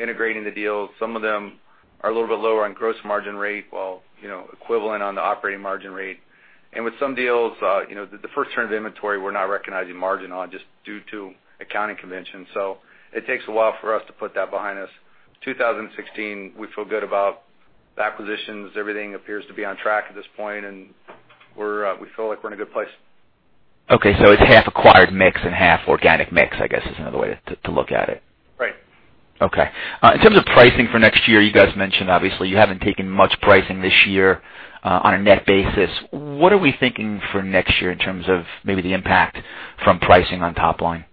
integrating the deals. Some of them are a little bit lower on gross margin rate while equivalent on the operating margin rate. With some deals, the first turn of inventory we're not recognizing margin on just due to accounting conventions. It takes a while for us to put that behind us. 2016, we feel good about the acquisitions. Everything appears to be on track at this point, and we feel like we're in a good place. Okay. It's half acquired mix and half organic mix, I guess, is another way to look at it. Right. Okay. In terms of pricing for next year, you guys mentioned obviously you haven't taken much pricing this year on a net basis. What are we thinking for next year in terms of maybe the impact from pricing on top line?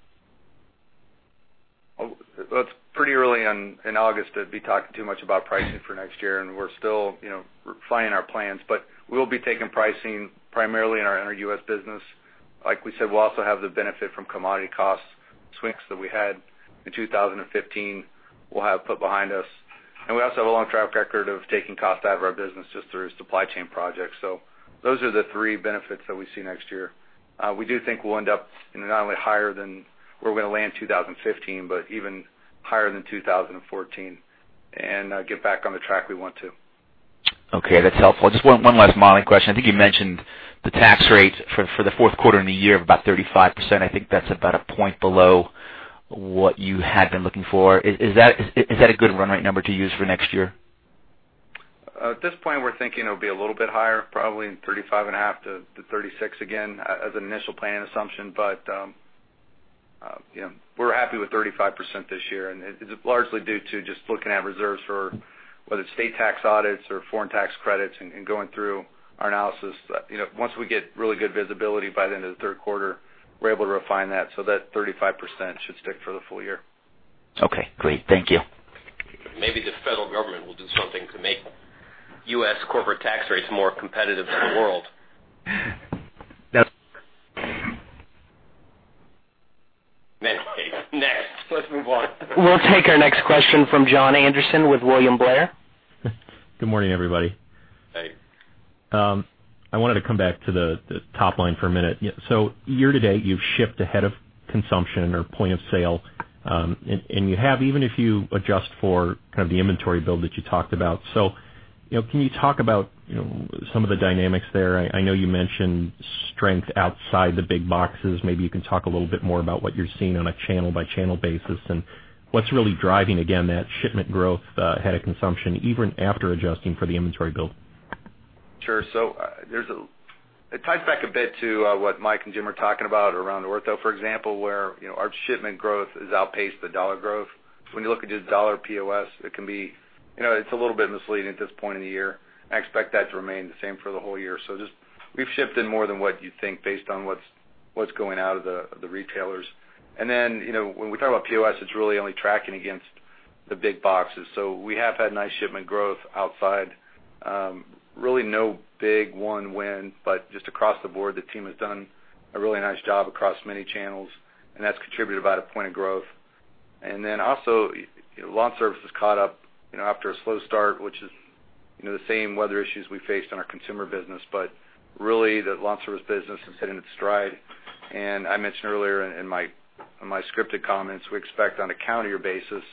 It's pretty early on in August to be talking too much about pricing for next year. We're still refining our plans, but we'll be taking pricing primarily in our U.S. business. Like we said, we'll also have the benefit from commodity cost swings that we had in 2015, we'll have put behind us. We also have a long track record of taking cost out of our business just through supply chain projects. Those are the three benefits that we see next year. We do think we'll end up not only higher than where we're going to land 2015, but even higher than 2014 and get back on the track we want to. Okay, that's helpful. Just one last modeling question. I think you mentioned the tax rate for the fourth quarter and the year of about 35%. I think that's about a point below what you had been looking for. Is that a good run rate number to use for next year? At this point, we're thinking it'll be a little bit higher, probably 35.5%-36% again as an initial plan assumption. We're happy with 35% this year, and it's largely due to just looking at reserves for whether it's state tax audits or foreign tax credits and going through our analysis. Once we get really good visibility by the end of the third quarter, we're able to refine that. That 35% should stick for the full year. Okay, great. Thank you. Maybe the federal government will do something to make U.S. corporate tax rates more competitive to the world. That- Many case. Next. Let's move on. We'll take our next question from Jon Andersen with William Blair. Good morning, everybody. Hey. I wanted to come back to the top line for a minute. Year-to-date, you've shipped ahead of consumption or point of sale, and you have even if you adjust for kind of the inventory build that you talked about. Can you talk about some of the dynamics there? I know you mentioned strength outside the big boxes. Maybe you can talk a little bit more about what you're seeing on a channel-by-channel basis and what's really driving again that shipment growth ahead of consumption, even after adjusting for the inventory build. Sure. It ties back a bit to what Mike and Jim are talking about around Ortho, for example, where our shipment growth has outpaced the dollar growth. When you look at just dollar POS, it's a little bit misleading at this point in the year. I expect that to remain the same for the whole year. Just we've shipped in more than what you'd think based on what's going out of the retailers. When we talk about POS, it's really only tracking against the big boxes. We have had nice shipment growth outside. Really no big one win, but just across the board, the team has done a really nice job across many channels, and that's contributed about a point of growth. Also, lawn service has caught up after a slow start, which is the same weather issues we faced on our consumer business, but really the lawn service business is hitting its stride. I mentioned earlier in my scripted comments, we expect on a calendar year basis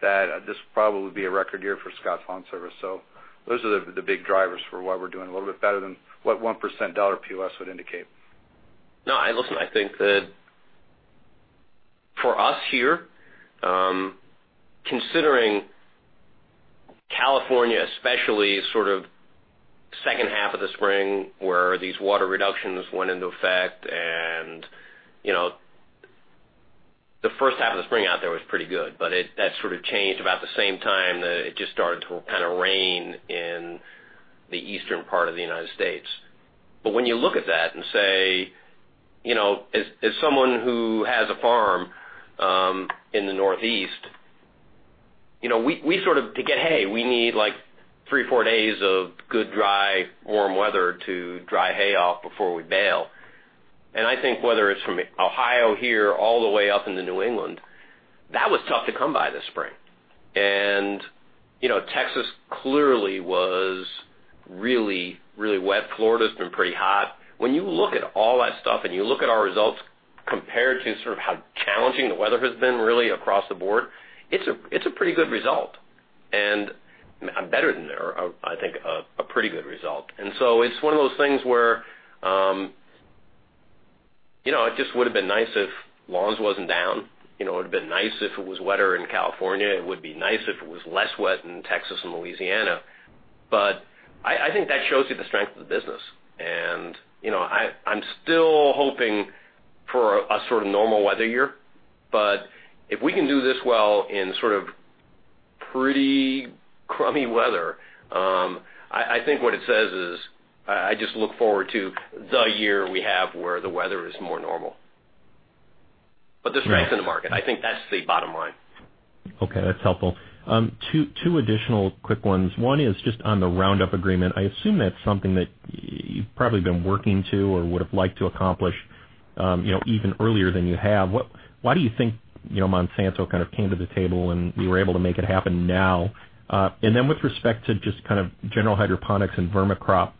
that this will probably be a record year for Scotts LawnService. Those are the big drivers for why we're doing a little bit better than what 1% dollar POS would indicate. No, listen, I think that for us here, considering California especially sort of second half of the spring where these water reductions went into effect. The first half of the spring out there was pretty good, but that sort of changed about the same time that it just started to kind of rain in the eastern part of the United States. When you look at that and say, as someone who has a farm in the Northeast, to get hay, we need three or four days of good, dry, warm weather to dry hay off before we bale. I think whether it's from Ohio here all the way up into New England, that was tough to come by this spring. Texas clearly was really wet. Florida's been pretty hot. When you look at all that stuff and you look at our results compared to sort of how challenging the weather has been really across the board, it's a pretty good result, and better than there, I think a pretty good result. So it's one of those things where it just would've been nice if lawns wasn't down. It would've been nice if it was wetter in California. It would be nice if it was less wet in Texas and Louisiana. I think that shows you the strength of the business. I'm still hoping for a sort of normal weather year, but if we can do this well in sort of pretty crummy weather, I think what it says is I just look forward to the year we have where the weather is more normal. There's strength in the market. I think that's the bottom line. Okay. That's helpful. Two additional quick ones. One is just on the Roundup agreement. I assume that's something that you've probably been working to or would've liked to accomplish even earlier than you have. Why do you think Monsanto kind of came to the table, and you were able to make it happen now? Then with respect to just kind of General Hydroponics and Vermicrop,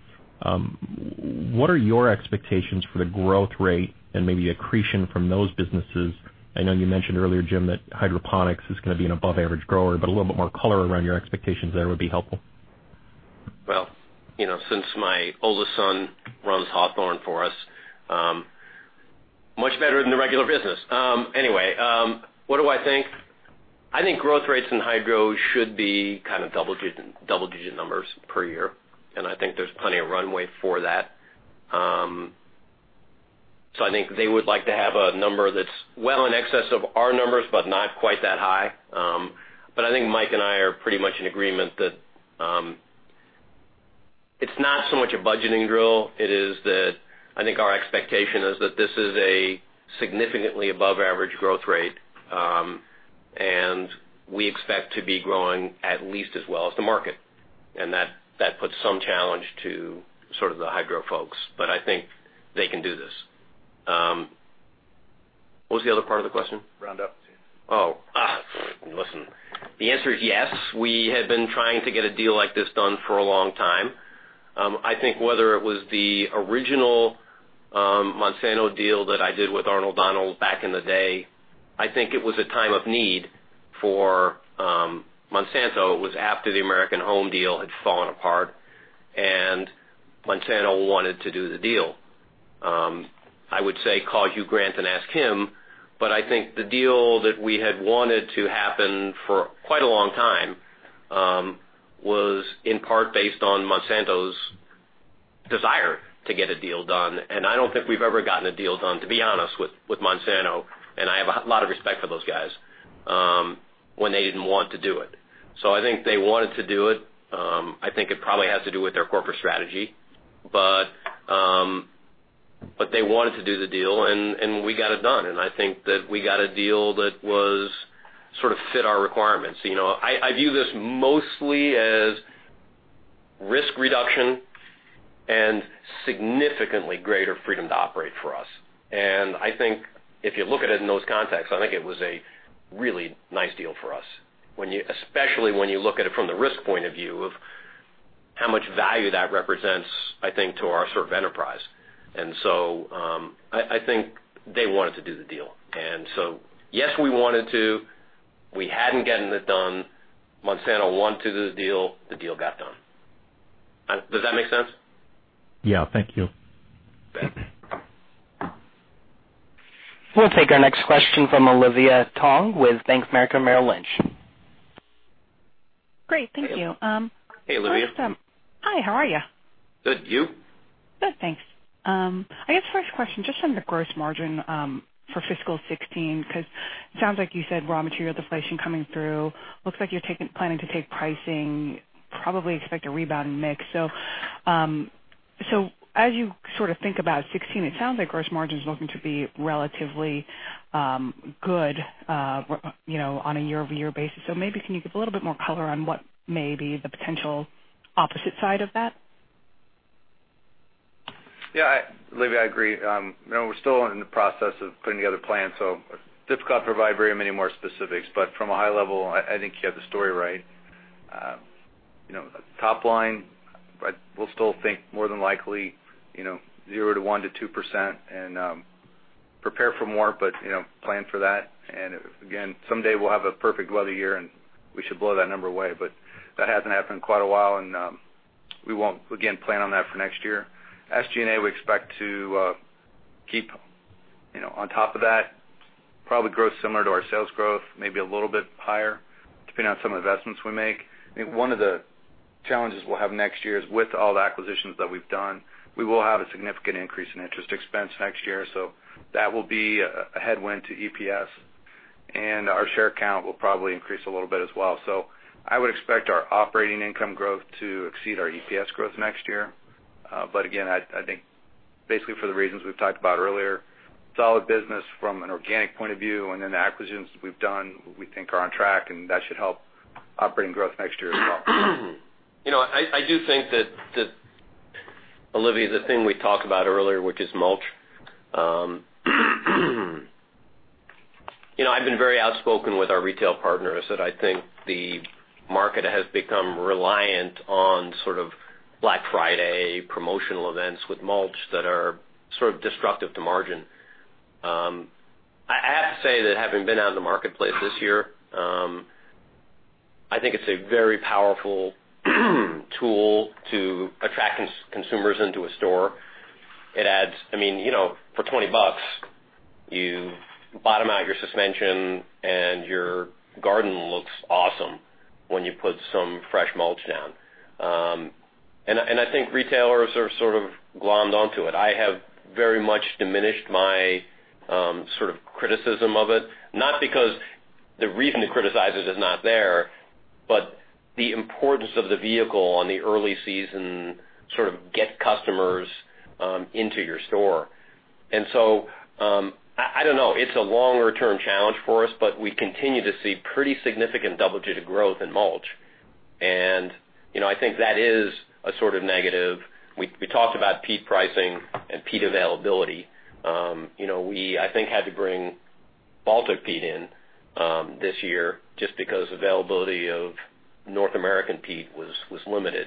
what are your expectations for the growth rate and maybe accretion from those businesses? I know you mentioned earlier, Jim, that hydroponics is gonna be an above-average grower, but a little bit more color around your expectations there would be helpful. Well, since my oldest son runs Hawthorne for us, much better than the regular business. Anyway, what do I think? I think growth rates in hydro should be kind of double-digit numbers per year, and I think there's plenty of runway for that. I think they would like to have a number that's well in excess of our numbers, but not quite that high. I think Mike and I are pretty much in agreement that it's not so much a budgeting drill. It is that I think our expectation is that this is a significantly above-average growth rate, and we expect to be growing at least as well as the market. That puts some challenge to sort of the hydro folks. I think they can do this. What was the other part of the question? Roundup. Listen, the answer is yes. We had been trying to get a deal like this done for a long time. I think whether it was the original Monsanto deal that I did with Arnold Donald back in the day, I think it was a time of need for Monsanto. It was after the American Home deal had fallen apart, and Monsanto wanted to do the deal. I would say call Hugh Grant and ask him, but I think the deal that we had wanted to happen for quite a long time was in part based on Monsanto's desire to get a deal done, and I don't think we've ever gotten a deal done, to be honest with Monsanto, and I have a lot of respect for those guys, when they didn't want to do it. I think they wanted to do it. I think it probably has to do with their corporate strategy. They wanted to do the deal, and we got it done. I think that we got a deal that sort of fit our requirements. I view this mostly as risk reduction and significantly greater freedom to operate for us. I think if you look at it in those contexts, I think it was a really nice deal for us, especially when you look at it from the risk point of view of how much value that represents, I think, to our sort of enterprise. I think they wanted to do the deal. Yes, we wanted to. We hadn't gotten it done. Monsanto wanted to do the deal. The deal got done. Does that make sense? Yeah. Thank you. You bet. We'll take our next question from Olivia Tong with Bank of America Merrill Lynch. Great. Thank you. Hey, Olivia. Hi. How are you? Good. You? Good, thanks. I guess first question, just on the gross margin for fiscal 2016, because it sounds like you said raw material deflation coming through. Looks like you're planning to take pricing, probably expect a rebound in mix. As you sort of think about 2016, it sounds like gross margin's looking to be relatively good on a year-over-year basis. Maybe can you give a little bit more color on what may be the potential opposite side of that? Yeah. Olivia, I agree. We're still in the process of putting together plans, difficult to provide very many more specifics. From a high level, I think you have the story right. Top line, we'll still think more than likely 0% to 1% to 2% and prepare for more, but plan for that. Again, someday we'll have a perfect weather year, and we should blow that number away. That hasn't happened in quite a while, and we won't, again, plan on that for next year. SG&A, we expect to keep on top of that. Probably grow similar to our sales growth, maybe a little bit higher, depending on some investments we make. I think one of the Challenges we'll have next year is with all the acquisitions that we've done, we will have a significant increase in interest expense next year. That will be a headwind to EPS. Our share count will probably increase a little bit as well. I would expect our operating income growth to exceed our EPS growth next year. Again, I think basically for the reasons we've talked about earlier, solid business from an organic point of view, and then the acquisitions we've done we think are on track, and that should help operating growth next year as well. I do think that, Olivia, the thing we talked about earlier, which is mulch. I've been very outspoken with our retail partners that I think the market has become reliant on sort of Black Friday promotional events with mulch that are sort of destructive to margin. I have to say that having been out in the marketplace this year, I think it's a very powerful tool to attract consumers into a store. It adds, for $20, you bottom out your suspension and your garden looks awesome when you put some fresh mulch down. I think retailers have sort of glommed onto it. I have very much diminished my sort of criticism of it, not because the reason to criticize it is not there, but the importance of the vehicle on the early season sort of get customers into your store. I don't know. It's a longer-term challenge for us, we continue to see pretty significant double-digit growth in mulch. I think that is a sort of negative. We talked about peat pricing and peat availability. We, I think, had to bring Baltic peat in this year just because availability of North American peat was limited,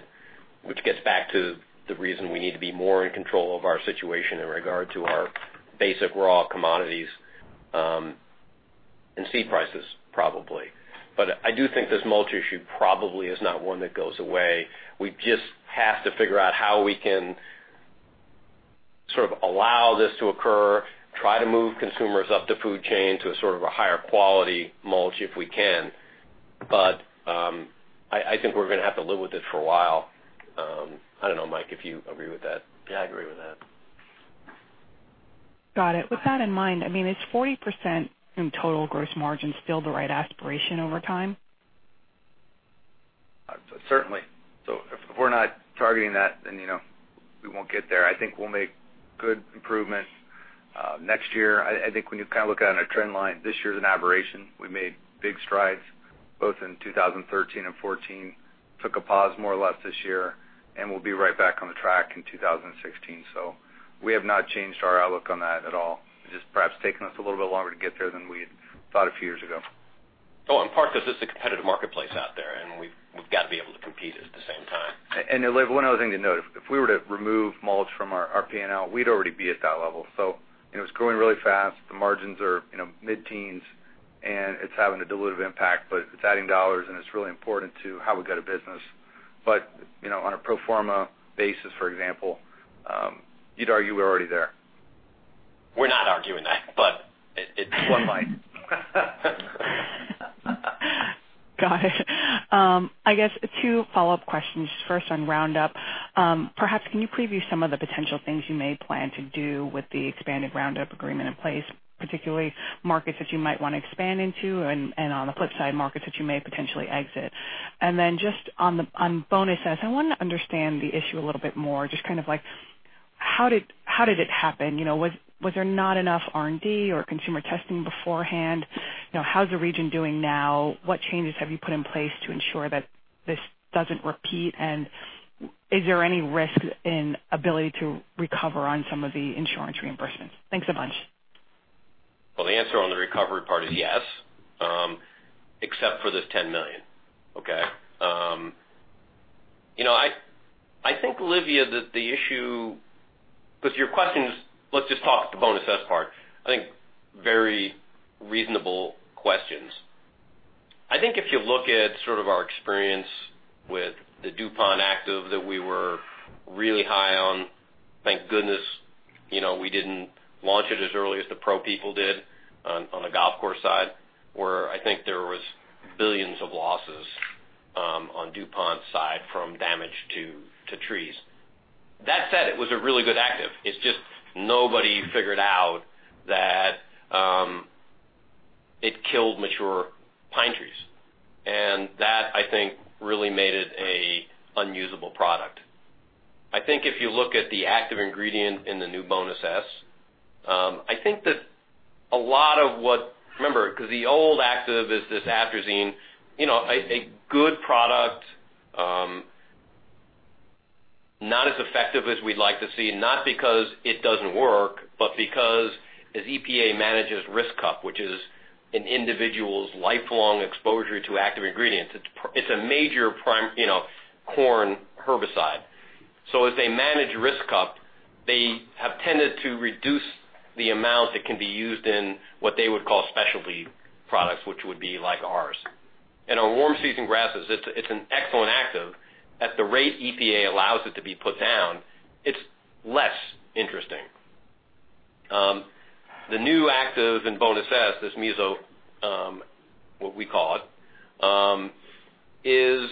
which gets back to the reason we need to be more in control of our situation in regard to our basic raw commodities and seed prices, probably. I do think this mulch issue probably is not one that goes away. We just have to figure out how we can sort of allow this to occur, try to move consumers up the food chain to a sort of a higher quality mulch if we can. I think we're going to have to live with it for a while. I don't know, Mike, if you agree with that. Yeah, I agree with that. Got it. With that in mind, is 40% in total gross margin still the right aspiration over time? Certainly. If we're not targeting that, then we won't get there. I think we'll make good improvement next year. I think when you kind of look at it on a trend line, this year's an aberration. We made big strides both in 2013 and 2014. Took a pause more or less this year, and we'll be right back on the track in 2016. We have not changed our outlook on that at all. It's just perhaps taken us a little bit longer to get there than we had thought a few years ago. In part because it's a competitive marketplace out there, and we've got to be able to compete at the same time. Olivia, one other thing to note, if we were to remove mulch from our P&L, we'd already be at that level. It's growing really fast. The margins are mid-teens, and it's having a dilutive impact, but it's adding dollars and it's really important to how we go to business. On a pro forma basis, for example, you'd argue we're already there. We're not arguing that, but it's one line. Got it. I guess two follow-up questions. First on Roundup. Perhaps can you preview some of the potential things you may plan to do with the expanded Roundup agreement in place, particularly markets that you might want to expand into and on the flip side, markets that you may potentially exit. Then just on Bonus S, I want to understand the issue a little bit more. Just kind of like how did it happen? Was there not enough R&D or consumer testing beforehand? How's the region doing now? What changes have you put in place to ensure that this doesn't repeat? Is there any risk in ability to recover on some of the insurance reimbursements? Thanks a bunch. Well, the answer on the recovery part is yes, except for this $10 million. Okay. I think, Olivia, that the issue with your questions, let's just talk the Bonus S part, I think very reasonable questions. I think if you look at sort of our experience with the DuPont active that we were really high on, thank goodness we didn't launch it as early as the Pro people did on the golf course side, where I think there was billions of losses on DuPont's side from damage to trees. That said, it was a really good active. It's just nobody figured out that it killed mature pine trees, and that, I think, really made it a unusable product. I think if you look at the active ingredient in the new Bonus S, I think that a lot of what. Remember, because the old active is this atrazine, a good product. Not as effective as we'd like to see, not because it doesn't work, but because as EPA manages risk cup, which is an individual's lifelong exposure to active ingredients, it's a major corn herbicide. As they manage risk cup, they have tended to reduce the amount that can be used in what they would call specialty products, which would be like ours. On warm season grasses, it's an excellent active. At the rate EPA allows it to be put down, it's less interesting. The new active in Bonus S, this mesotrione, what we call it, is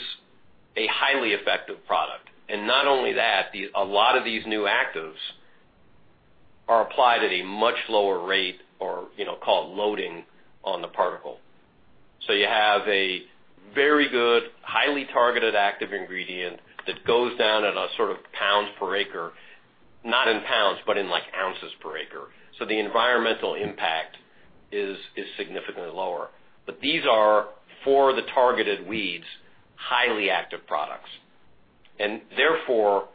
a highly effective product. Not only that, a lot of these new actives are applied at a much lower rate or call it loading on the particle. You have a very good, highly targeted active ingredient that goes down in a sort of pounds per acre, not in pounds, but in ounces per acre. The environmental impact is significantly lower. These are for the targeted weeds, highly active products. Therefore,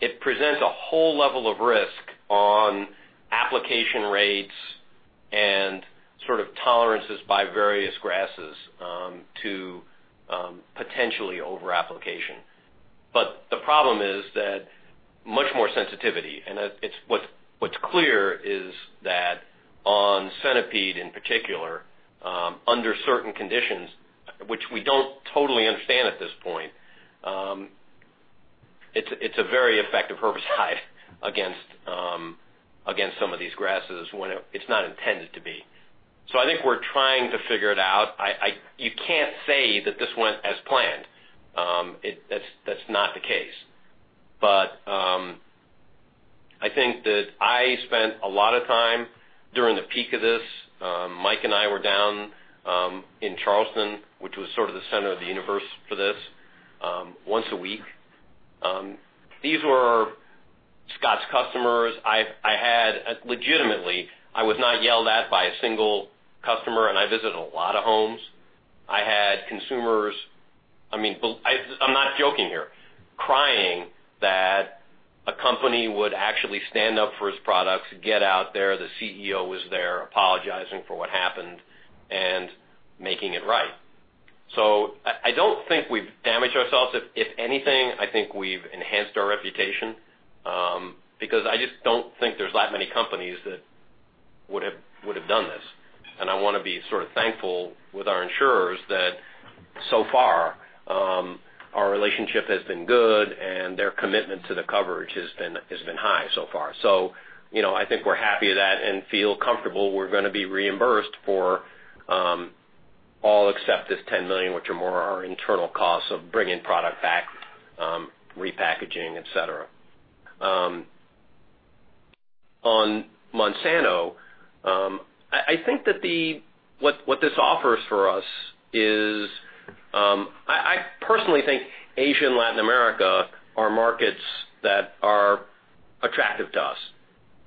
it presents a whole level of risk on application rates and tolerances by various grasses to potentially over-application. The problem is that much more sensitivity, and what's clear is that on centipede in particular, under certain conditions, which we don't totally understand at this point, it's a very effective herbicide against some of these grasses when it's not intended to be. I think we're trying to figure it out. You can't say that this went as planned. That's not the case. I think that I spent a lot of time during the peak of this. Mike and I were down in Charleston, which was sort of the center of the universe for this, once a week. These were Scotts customers. Legitimately, I was not yelled at by a single customer, and I visited a lot of homes. I had consumers, I'm not joking here, crying that a company would actually stand up for its products, get out there. The CEO was there apologizing for what happened and making it right. I don't think we've damaged ourselves. If anything, I think we've enhanced our reputation, because I just don't think there's that many companies that would have done this. I want to be thankful with our insurers that so far, our relationship has been good and their commitment to the coverage has been high so far. I think we're happy with that and feel comfortable we're going to be reimbursed for all except this $10 million, which are more our internal costs of bringing product back, repackaging, et cetera. On Monsanto, I think that what this offers for us is, I personally think Asia and Latin America are markets that are attractive to us,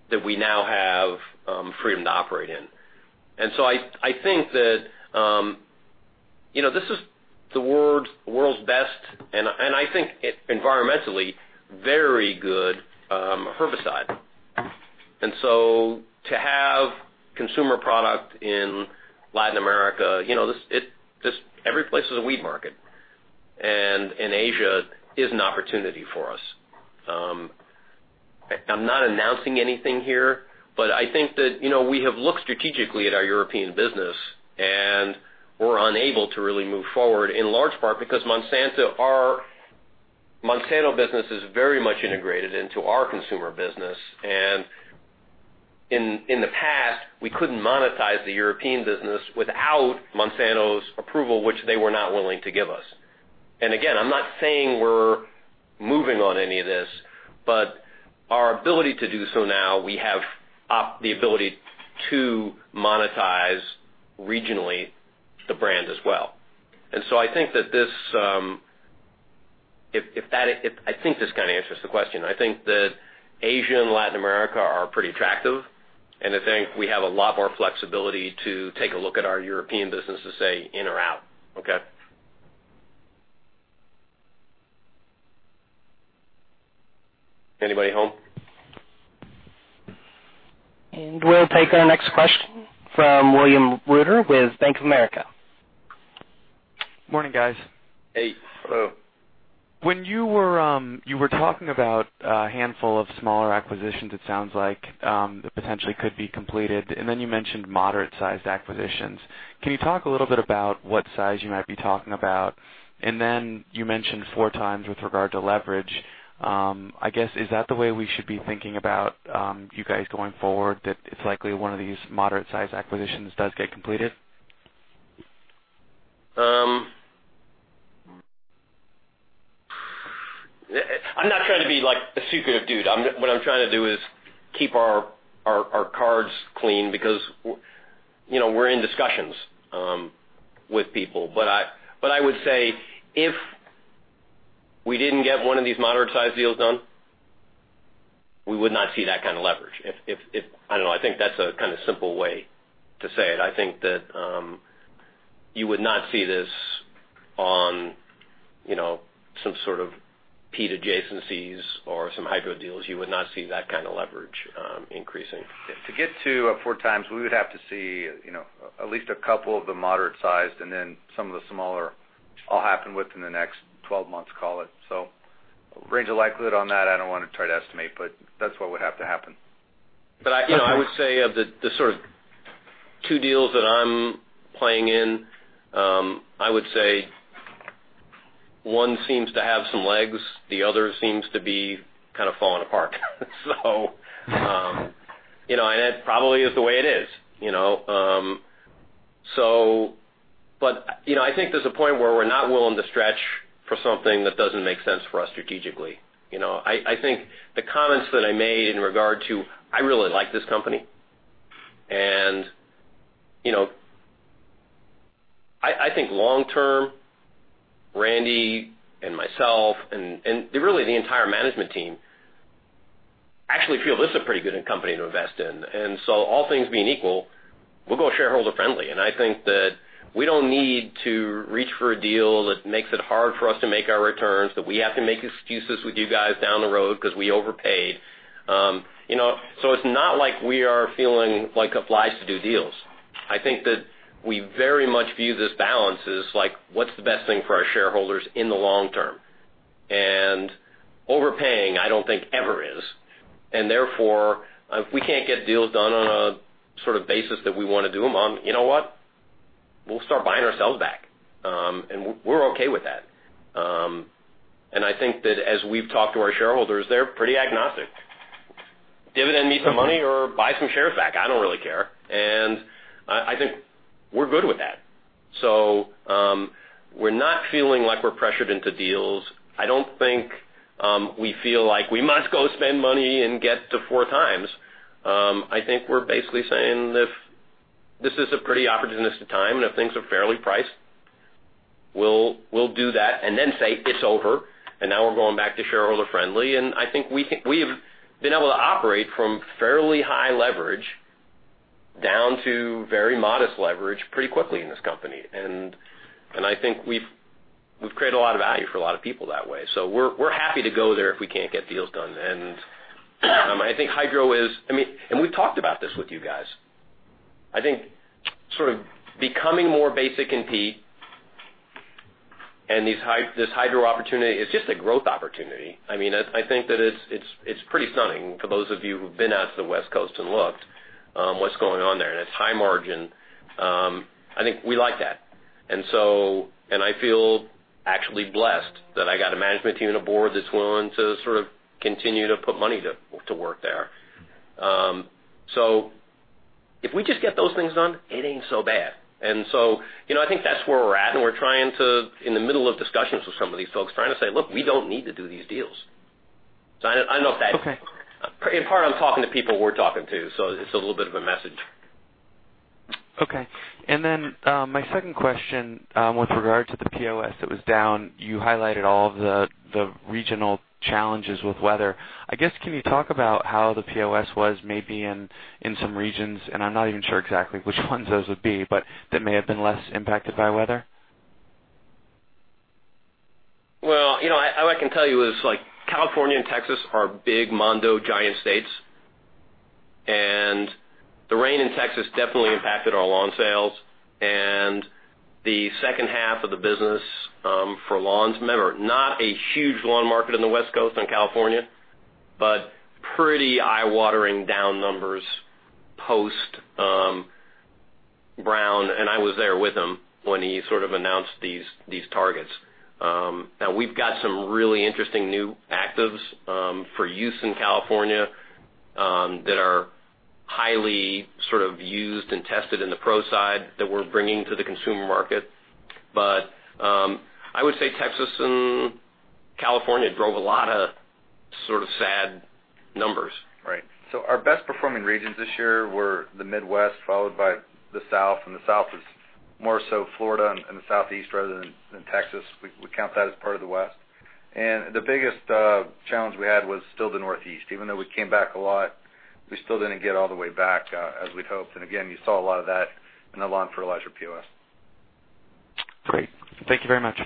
that we now have freedom to operate in. I think that this is the world's best, and I think environmentally very good herbicide. To have consumer product in Latin America, every place is a weed market, and in Asia is an opportunity for us. I'm not announcing anything here, I think that we have looked strategically at our European business, and we're unable to really move forward in large part because Monsanto business is very much integrated into our consumer business. In the past, we couldn't monetize the European business without Monsanto's approval, which they were not willing to give us. Again, I'm not saying we're moving on any of this, but our ability to do so now, we have the ability to monetize regionally the brand as well. I think this kind of answers the question. I think that Asia and Latin America are pretty attractive, and I think we have a lot more flexibility to take a look at our European business to say in or out. Okay? Anybody home? We'll take our next question from William Reuter with Bank of America. Morning, guys. Hey. Hello. When you were talking about a handful of smaller acquisitions, it sounds like, that potentially could be completed, then you mentioned moderate-sized acquisitions. Can you talk a little bit about what size you might be talking about? Then you mentioned four times with regard to leverage. I guess, is that the way we should be thinking about you guys going forward, that it's likely one of these moderate size acquisitions does get completed? I'm not trying to be a secretive dude. What I'm trying to do is keep our cards clean because we're in discussions with people. I would say if we didn't get one of these moderate size deals done, we would not see that kind of leverage. I don't know. I think that's a kind of simple way to say it. You would not see this on some sort of peat adjacencies or some hydro deals. You would not see that kind of leverage increasing. To get to 4 times, we would have to see at least a couple of the moderate sized and then some of the smaller all happen within the next 12 months, call it. Range of likelihood on that, I don't want to try to estimate, but that's what would have to happen. I would say of the sort of two deals that I'm playing in, I would say, one seems to have some legs, the other seems to be kind of falling apart. It probably is the way it is. I think there's a point where we're not willing to stretch for something that doesn't make sense for us strategically. I think the comments that I made in regard to, I really like this company, and I think long term, Randy and myself and really the entire management team actually feel this is a pretty good company to invest in. All things being equal, we'll go shareholder friendly. I think that we don't need to reach for a deal that makes it hard for us to make our returns, that we have to make excuses with you guys down the road because we overpaid. It's not like we are feeling like flies to do deals. I think that we very much view this balance as like, what's the best thing for our shareholders in the long term? Overpaying, I don't think ever is. Therefore, if we can't get deals done on a sort of basis that we want to do them on, you know what? We'll start buying ourselves back. We're okay with that. I think that as we've talked to our shareholders, they're pretty agnostic. Dividend me some money or buy some shares back, I don't really care. I think we're good with that. We're not feeling like we're pressured into deals. I don't think we feel like we must go spend money and get to 4 times. I think we're basically saying if this is a pretty opportunistic time and if things are fairly priced, we'll do that and then say, "It's over, and now we're going back to shareholder friendly." I think we've been able to operate from fairly high leverage down to very modest leverage pretty quickly in this company. I think we've created a lot of value for a lot of people that way. We're happy to go there if we can't get deals done. I think hydro is, we've talked about this with you guys. I think sort of becoming more basic in P, and this hydro opportunity is just a growth opportunity. I think that it's pretty stunning for those of you who've been out to the West Coast and looked what's going on there. It's high margin. I think we like that. I feel actually blessed that I got a management team and a board that's willing to sort of continue to put money to work there. If we just get those things done, it ain't so bad. I think that's where we're at, and we're trying to, in the middle of discussions with some of these folks, trying to say, "Look, we don't need to do these deals." I don't know if that. Okay. In part, I'm talking to people we're talking to, it's a little bit of a message. Okay. My second question with regard to the POS that was down, you highlighted all of the regional challenges with weather. I guess, can you talk about how the POS was maybe in some regions, and I'm not even sure exactly which ones those would be, but that may have been less impacted by weather? All I can tell you is California and Texas are big mondo giant states. The rain in Texas definitely impacted our lawn sales and the second half of the business for lawns. Remember, not a huge lawn market on the West Coast in California, but pretty eye-watering down numbers post Brown, and I was there with him when he sort of announced these targets. We've got some really interesting new actives for use in California that are highly sort of used and tested in the pro side that we're bringing to the consumer market. I would say Texas and California drove a lot of sort of sad numbers. Right. Our best performing regions this year were the Midwest, followed by the South. The South is more so Florida and the Southeast rather than Texas. We count that as part of the West. The biggest challenge we had was still the Northeast. Even though we came back a lot, we still didn't get all the way back as we'd hoped. Again, you saw a lot of that in the lawn fertilizer POS. Great. Thank you very much.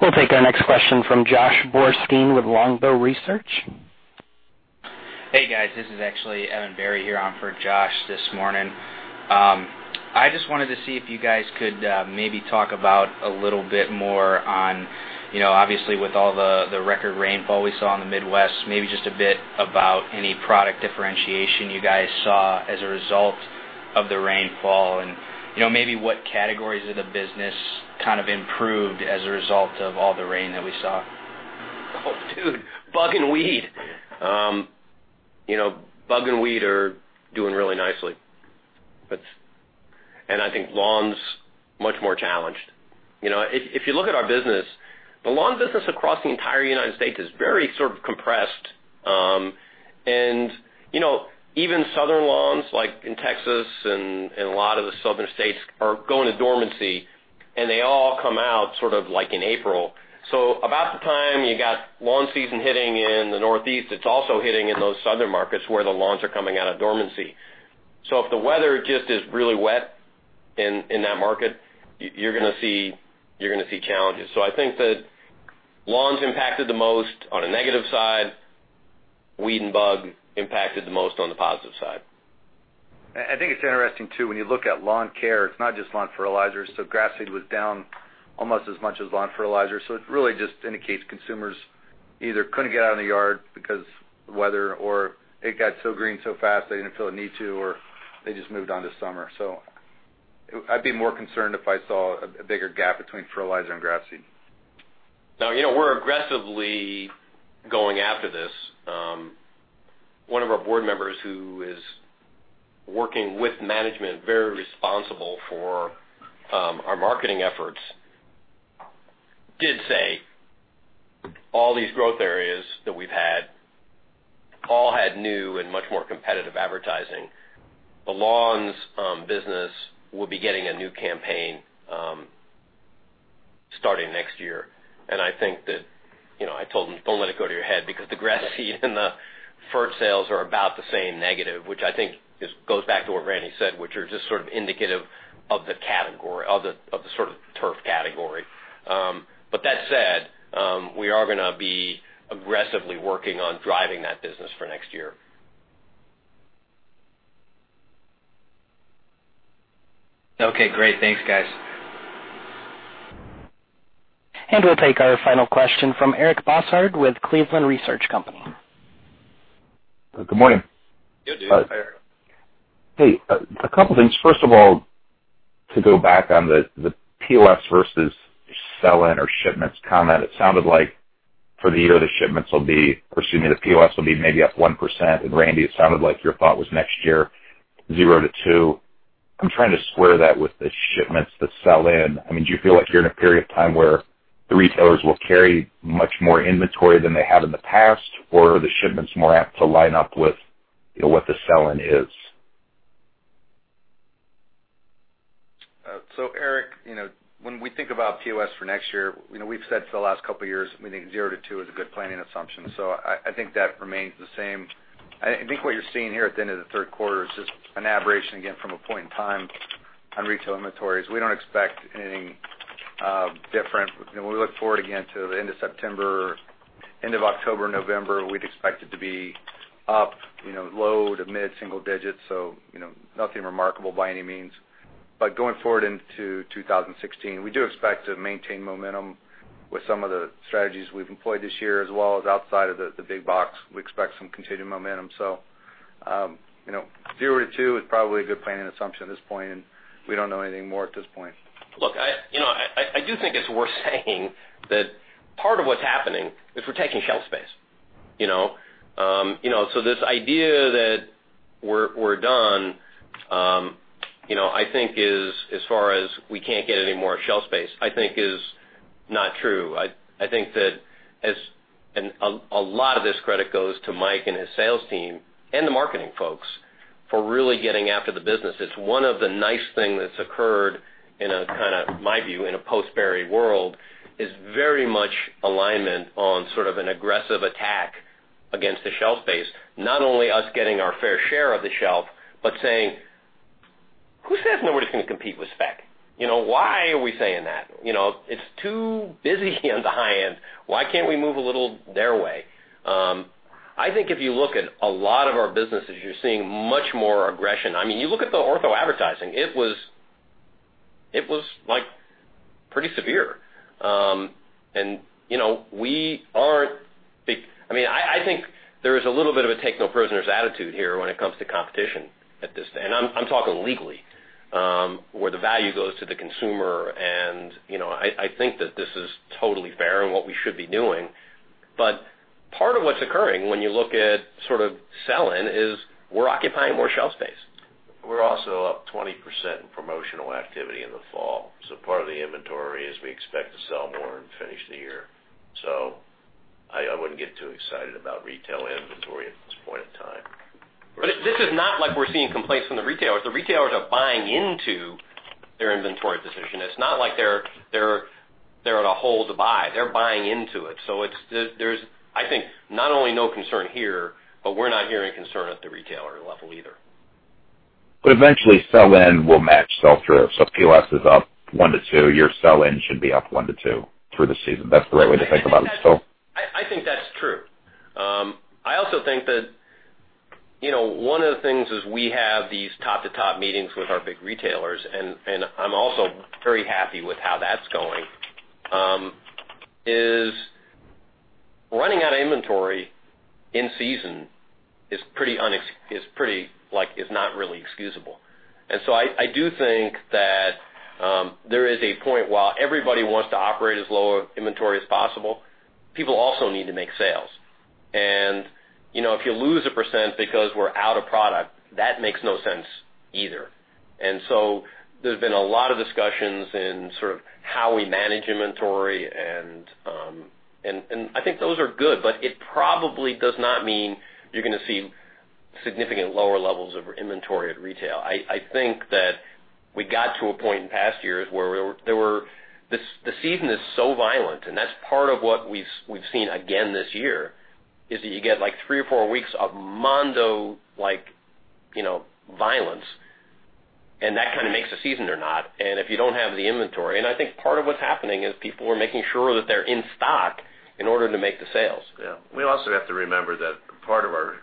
We'll take our next question from Josh Borstein with Longbow Research. Hey, guys. This is actually Evan Barry here on for Josh this morning. I just wanted to see if you guys could maybe talk about a little bit more on, obviously with all the record rainfall we saw in the Midwest, maybe just a bit about any product differentiation you guys saw as a result of the rainfall and maybe what categories of the business kind of improved as a result of all the rain that we saw. Oh, dude. Bug and weed. Bug and weed are doing really nicely. I think lawn's much more challenged. If you look at our business, the lawn business across the entire United States is very sort of compressed. Even southern lawns like in Texas and a lot of the southern states are going to dormancy, and they all come out sort of like in April. About the time you got lawn season hitting in the Northeast, it's also hitting in those southern markets where the lawns are coming out of dormancy. If the weather just is really wet in that market, you're gonna see challenges. I think that lawn's impacted the most on a negative side. Weed and bug impacted the most on the positive side. I think it's interesting, too, when you look at lawn care, it's not just lawn fertilizer. Grass seed was down almost as much as lawn fertilizer. It really just indicates consumers either couldn't get out in the yard because of the weather, or it got so green so fast they didn't feel a need to, or they just moved on to summer. I'd be more concerned if I saw a bigger gap between fertilizer and grass seed. Now, we're aggressively going after this. One of our board members, who is working with management, very responsible for our marketing efforts, did say all these growth areas that we've had all had new and much more competitive advertising. The lawns business will be getting a new campaign starting next year. I think that I told him, "Don't let it go to your head because the grass seed and the fert sales are about the same negative," which I think just goes back to what Randy said, which are just indicative of the sort of turf category. That said, we are going to be aggressively working on driving that business for next year. Okay, great. Thanks, guys. We'll take our final question from Eric Bosshard with Cleveland Research Company. Good morning. Good day. Hey, a couple things. First of all, to go back on the POS versus sell-in or shipments comment, it sounded like for the year, the POS will be maybe up 1%. Randy, it sounded like your thought was next year, 0 to 2. I'm trying to square that with the shipments, the sell-in. Do you feel like you're in a period of time where the retailers will carry much more inventory than they have in the past, or are the shipments more apt to line up with what the sell-in is? Eric, when we think about POS for next year, we've said for the last couple of years, we think 0 to 2 is a good planning assumption. I think that remains the same. I think what you're seeing here at the end of the third quarter is just an aberration, again, from a point in time on retail inventories. We don't expect anything different. We look forward again to the end of September, end of October, November, we'd expect it to be up low to mid-single digits. Nothing remarkable by any means. Going forward into 2016, we do expect to maintain momentum with some of the strategies we've employed this year, as well as outside of the big box, we expect some continued momentum. 0 to 2 is probably a good planning assumption at this point, and we don't know anything more at this point. Look, I do think it's worth saying that part of what's happening is we're taking shelf space. This idea that we're done, I think as far as we can't get any more shelf space, I think is not true. I think that a lot of this credit goes to Mike and his sales team and the marketing folks for really getting after the business. It's one of the nice thing that's occurred in a kind of, my view, in a post-Berry world, is very much alignment on sort of an aggressive attack against the shelf space. Not only us getting our fair share of the shelf, but saying, "Who says nobody's going to compete with Spectrum? Why are we saying that? It's too busy on the high-end. Why can't we move a little their way?" I think if you look at a lot of our businesses, you're seeing much more aggression. You look at the Ortho advertising, it was pretty severe. I think there is a little bit of a take-no-prisoners attitude here when it comes to competition, and I'm talking legally, where the value goes to the consumer, and I think that this is totally fair and what we should be doing. Part of what's occurring when you look at sort of sell-in is we're occupying more shelf space. We're also up 20% in promotional activity in the fall. Part of the inventory is we expect to sell more and finish the year. I wouldn't get too excited about retail inventory at this point in time. This is not like we're seeing complaints from the retailers. The retailers are buying into their inventory decision. It's not like they're on a hold to buy. They're buying into it. There's, I think, not only no concern here, but we're not hearing concern at the retailer level either. Eventually sell-in will match sell-through. If POS is up 1 to 2, your sell-in should be up 1 to 2 through the season. That's the right way to think about it still? I think that's true. I also think that one of the things is we have these top-to-top meetings with our big retailers, and I'm also very happy with how that's going, is running out of inventory in season is not really excusable. I do think that there is a point while everybody wants to operate as low inventory as possible, people also need to make sales. If you lose a percent because we're out of product, that makes no sense either. There's been a lot of discussions in sort of how we manage inventory, and I think those are good, but it probably does not mean you're going to see significant lower levels of inventory at retail. I think that we got to a point in past years where the season is so violent, and that's part of what we've seen again this year, is that you get like three or four weeks of mondo violence, and that kind of makes a season or not. I think part of what's happening is people are making sure that they're in stock in order to make the sales. Yeah. We also have to remember that part of our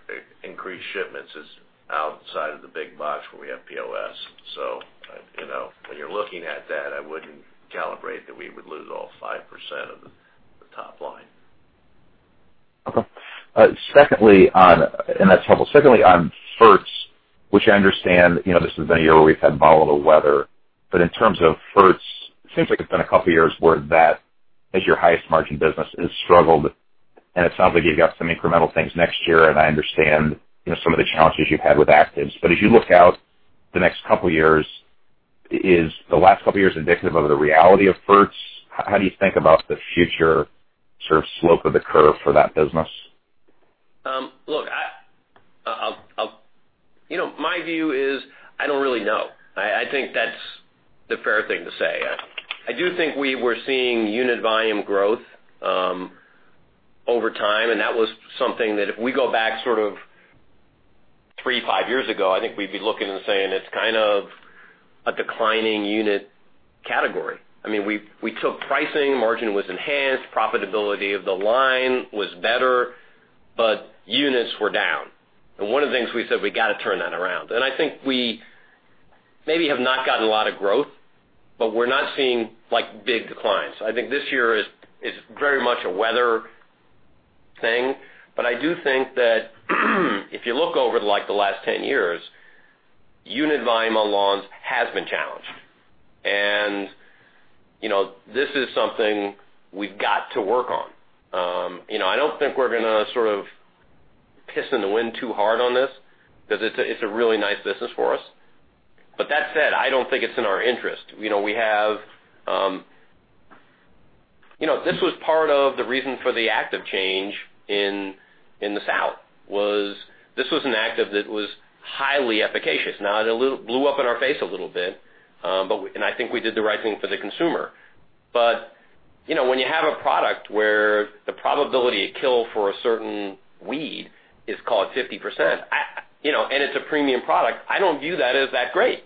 increased shipments is outside of the big box where we have POS. When you're looking at that, I wouldn't calibrate that we would lose all 5% of the top line. That's helpful. Secondly, on ferts, which I understand, this has been a year where we've had volatile weather, but in terms of ferts, it seems like it's been a couple of years where that is your highest margin business. It has struggled, and it sounds like you've got some incremental things next year, and I understand some of the challenges you've had with actives. As you look out the next couple of years, is the last couple of years indicative of the reality of ferts? How do you think about the future slope of the curve for that business? Look, my view is I don't really know. I think that's the fair thing to say. I do think we were seeing unit volume growth over time. That was something that if we go back three to five years ago, I think we'd be looking and saying it's kind of a declining unit category. We took pricing, margin was enhanced, profitability of the line was better, but units were down. One of the things we said, we got to turn that around. I think we maybe have not gotten a lot of growth, but we're not seeing big declines. I think this year is very much a weather thing. I do think that if you look over the last 10 years, unit volume on lawns has been challenged. This is something we've got to work on. I don't think we're going to piss in the wind too hard on this, because it's a really nice business for us. That said, I don't think it's in our interest. This was part of the reason for the active change in the South was this was an active that was highly efficacious. Now, it blew up in our face a little bit, and I think we did the right thing for the consumer. When you have a product where the probability of kill for a certain weed is called 50% and it's a premium product, I don't view that as that great.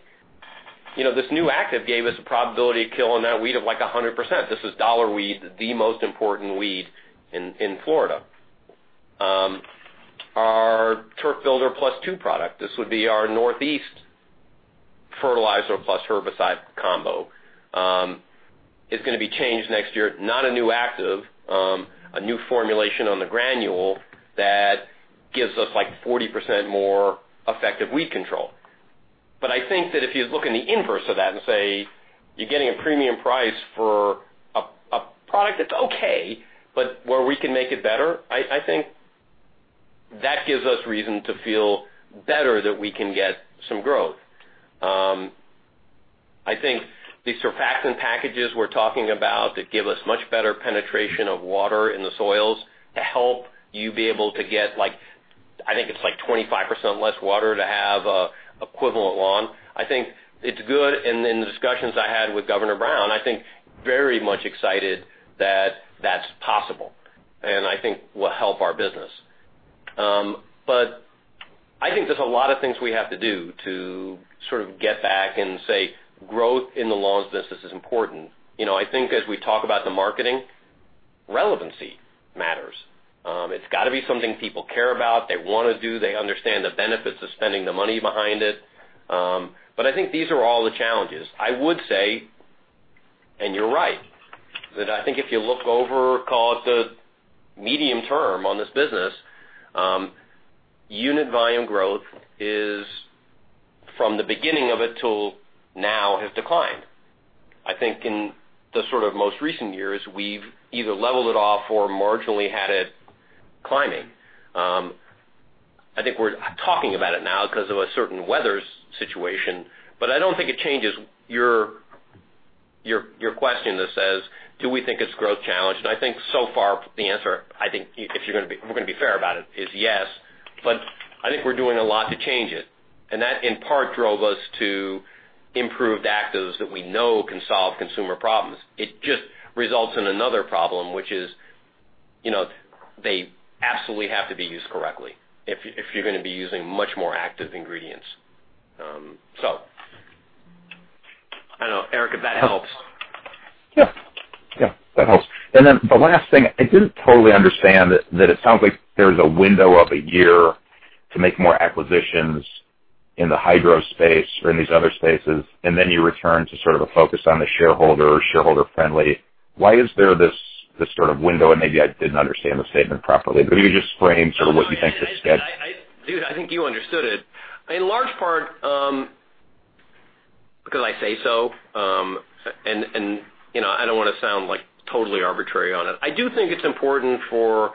This new active gave us a probability of kill on that weed of like 100%. This is dollarweed, the most important weed in Florida. Our Turf Builder Plus 2 product, this would be our Northeast fertilizer plus herbicide combo. It's going to be changed next year, not a new active, a new formulation on the granule that gives us like 40% more effective weed control. I think that if you look in the inverse of that and say, you're getting a premium price for a product that's okay, but where we can make it better, I think that gives us reason to feel better that we can get some growth. I think the surfactant packages we're talking about that give us much better penetration of water in the soils to help you be able to get like, I think it's 25% less water to have equivalent lawn. I think it's good, and in the discussions I had with Governor Brown, I think very much excited that that's possible, and I think will help our business. I think there's a lot of things we have to do to get back and say growth in the lawns business is important. I think as we talk about the marketing, relevancy matters. It's got to be something people care about, they want to do, they understand the benefits of spending the money behind it. I think these are all the challenges. I would say, and you're right, that I think if you look over, call it the medium term on this business, unit volume growth is from the beginning of it till now has declined. I think in the most recent years, we've either leveled it off or marginally had it climbing. I think we're talking about it now because of a certain weather situation, I don't think it changes your question that says, do we think it's growth challenged? I think so far the answer, I think if we're going to be fair about it, is yes, I think we're doing a lot to change it. That in part drove us to improved actives that we know can solve consumer problems. It just results in another problem, which is they absolutely have to be used correctly if you're going to be using much more active ingredients. I don't know, Eric, if that helps. Yeah. That helps. Then the last thing, I didn't totally understand that it sounds like there's a window of a year to make more acquisitions in the hydro space or in these other spaces, then you return to sort of a focus on the shareholder friendly. Why is there this window, and maybe I didn't understand the statement properly, but maybe just frame what you think the schedule is. Dude, I think you understood it. In large part, because I say so, I don't want to sound like totally arbitrary on it. I do think it's important for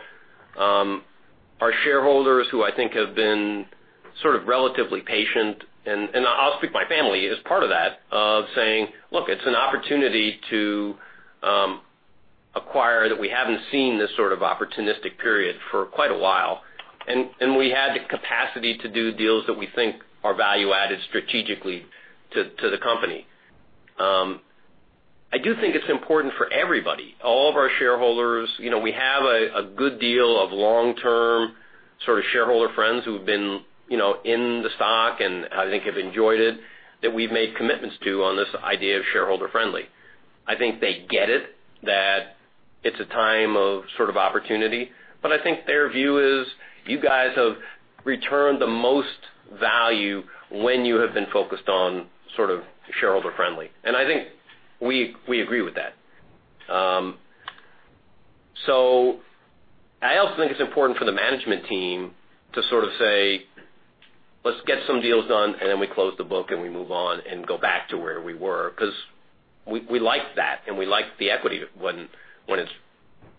our shareholders who I think have been sort of relatively patient, I'll speak my family as part of that, of saying, look, it's an opportunity to acquire that we haven't seen this sort of opportunistic period for quite a while, we had the capacity to do deals that we think are value added strategically to the company. I do think it's important for everybody, all of our shareholders. We have a good deal of long-term shareholder friends who've been in the stock and I think have enjoyed it, that we've made commitments to on this idea of shareholder friendly. I think they get it, that it's a time of opportunity, I think their view is you guys have returned the most value when you have been focused on shareholder friendly. I think we agree with that. I also think it's important for the management team to say, let's get some deals done, then we close the book, we move on and go back to where we were because we like that, we like the equity when it's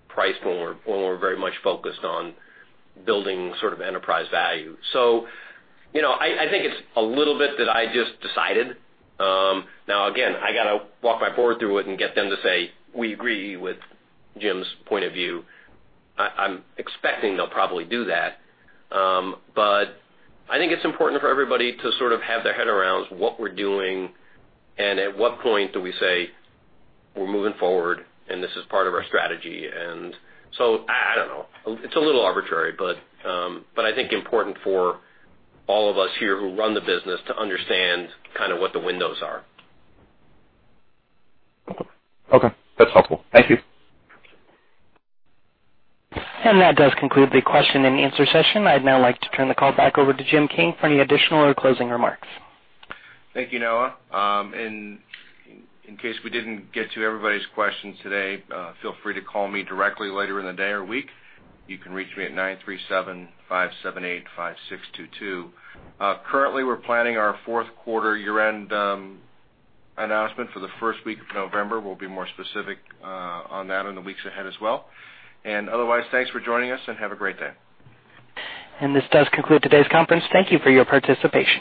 priced, when we're very much focused on building enterprise value. I think it's a little bit that I just decided. Now again, I got to walk my board through it, get them to say, we agree with Jim's point of view. I'm expecting they'll probably do that. I think it's important for everybody to have their head around what we're doing, at what point do we say we're moving forward, this is part of our strategy. I don't know. It's a little arbitrary, I think important for all of us here who run the business to understand what the windows are. Okay. That's helpful. Thank you. That does conclude the question and answer session. I'd now like to turn the call back over to Jim King for any additional or closing remarks. Thank you, Noah. In case we didn't get to everybody's questions today, feel free to call me directly later in the day or week. You can reach me at (937) 578-5622. Currently, we're planning our fourth quarter year-end announcement for the first week of November. We'll be more specific on that in the weeks ahead as well. Otherwise, thanks for joining us, and have a great day. This does conclude today's conference. Thank you for your participation.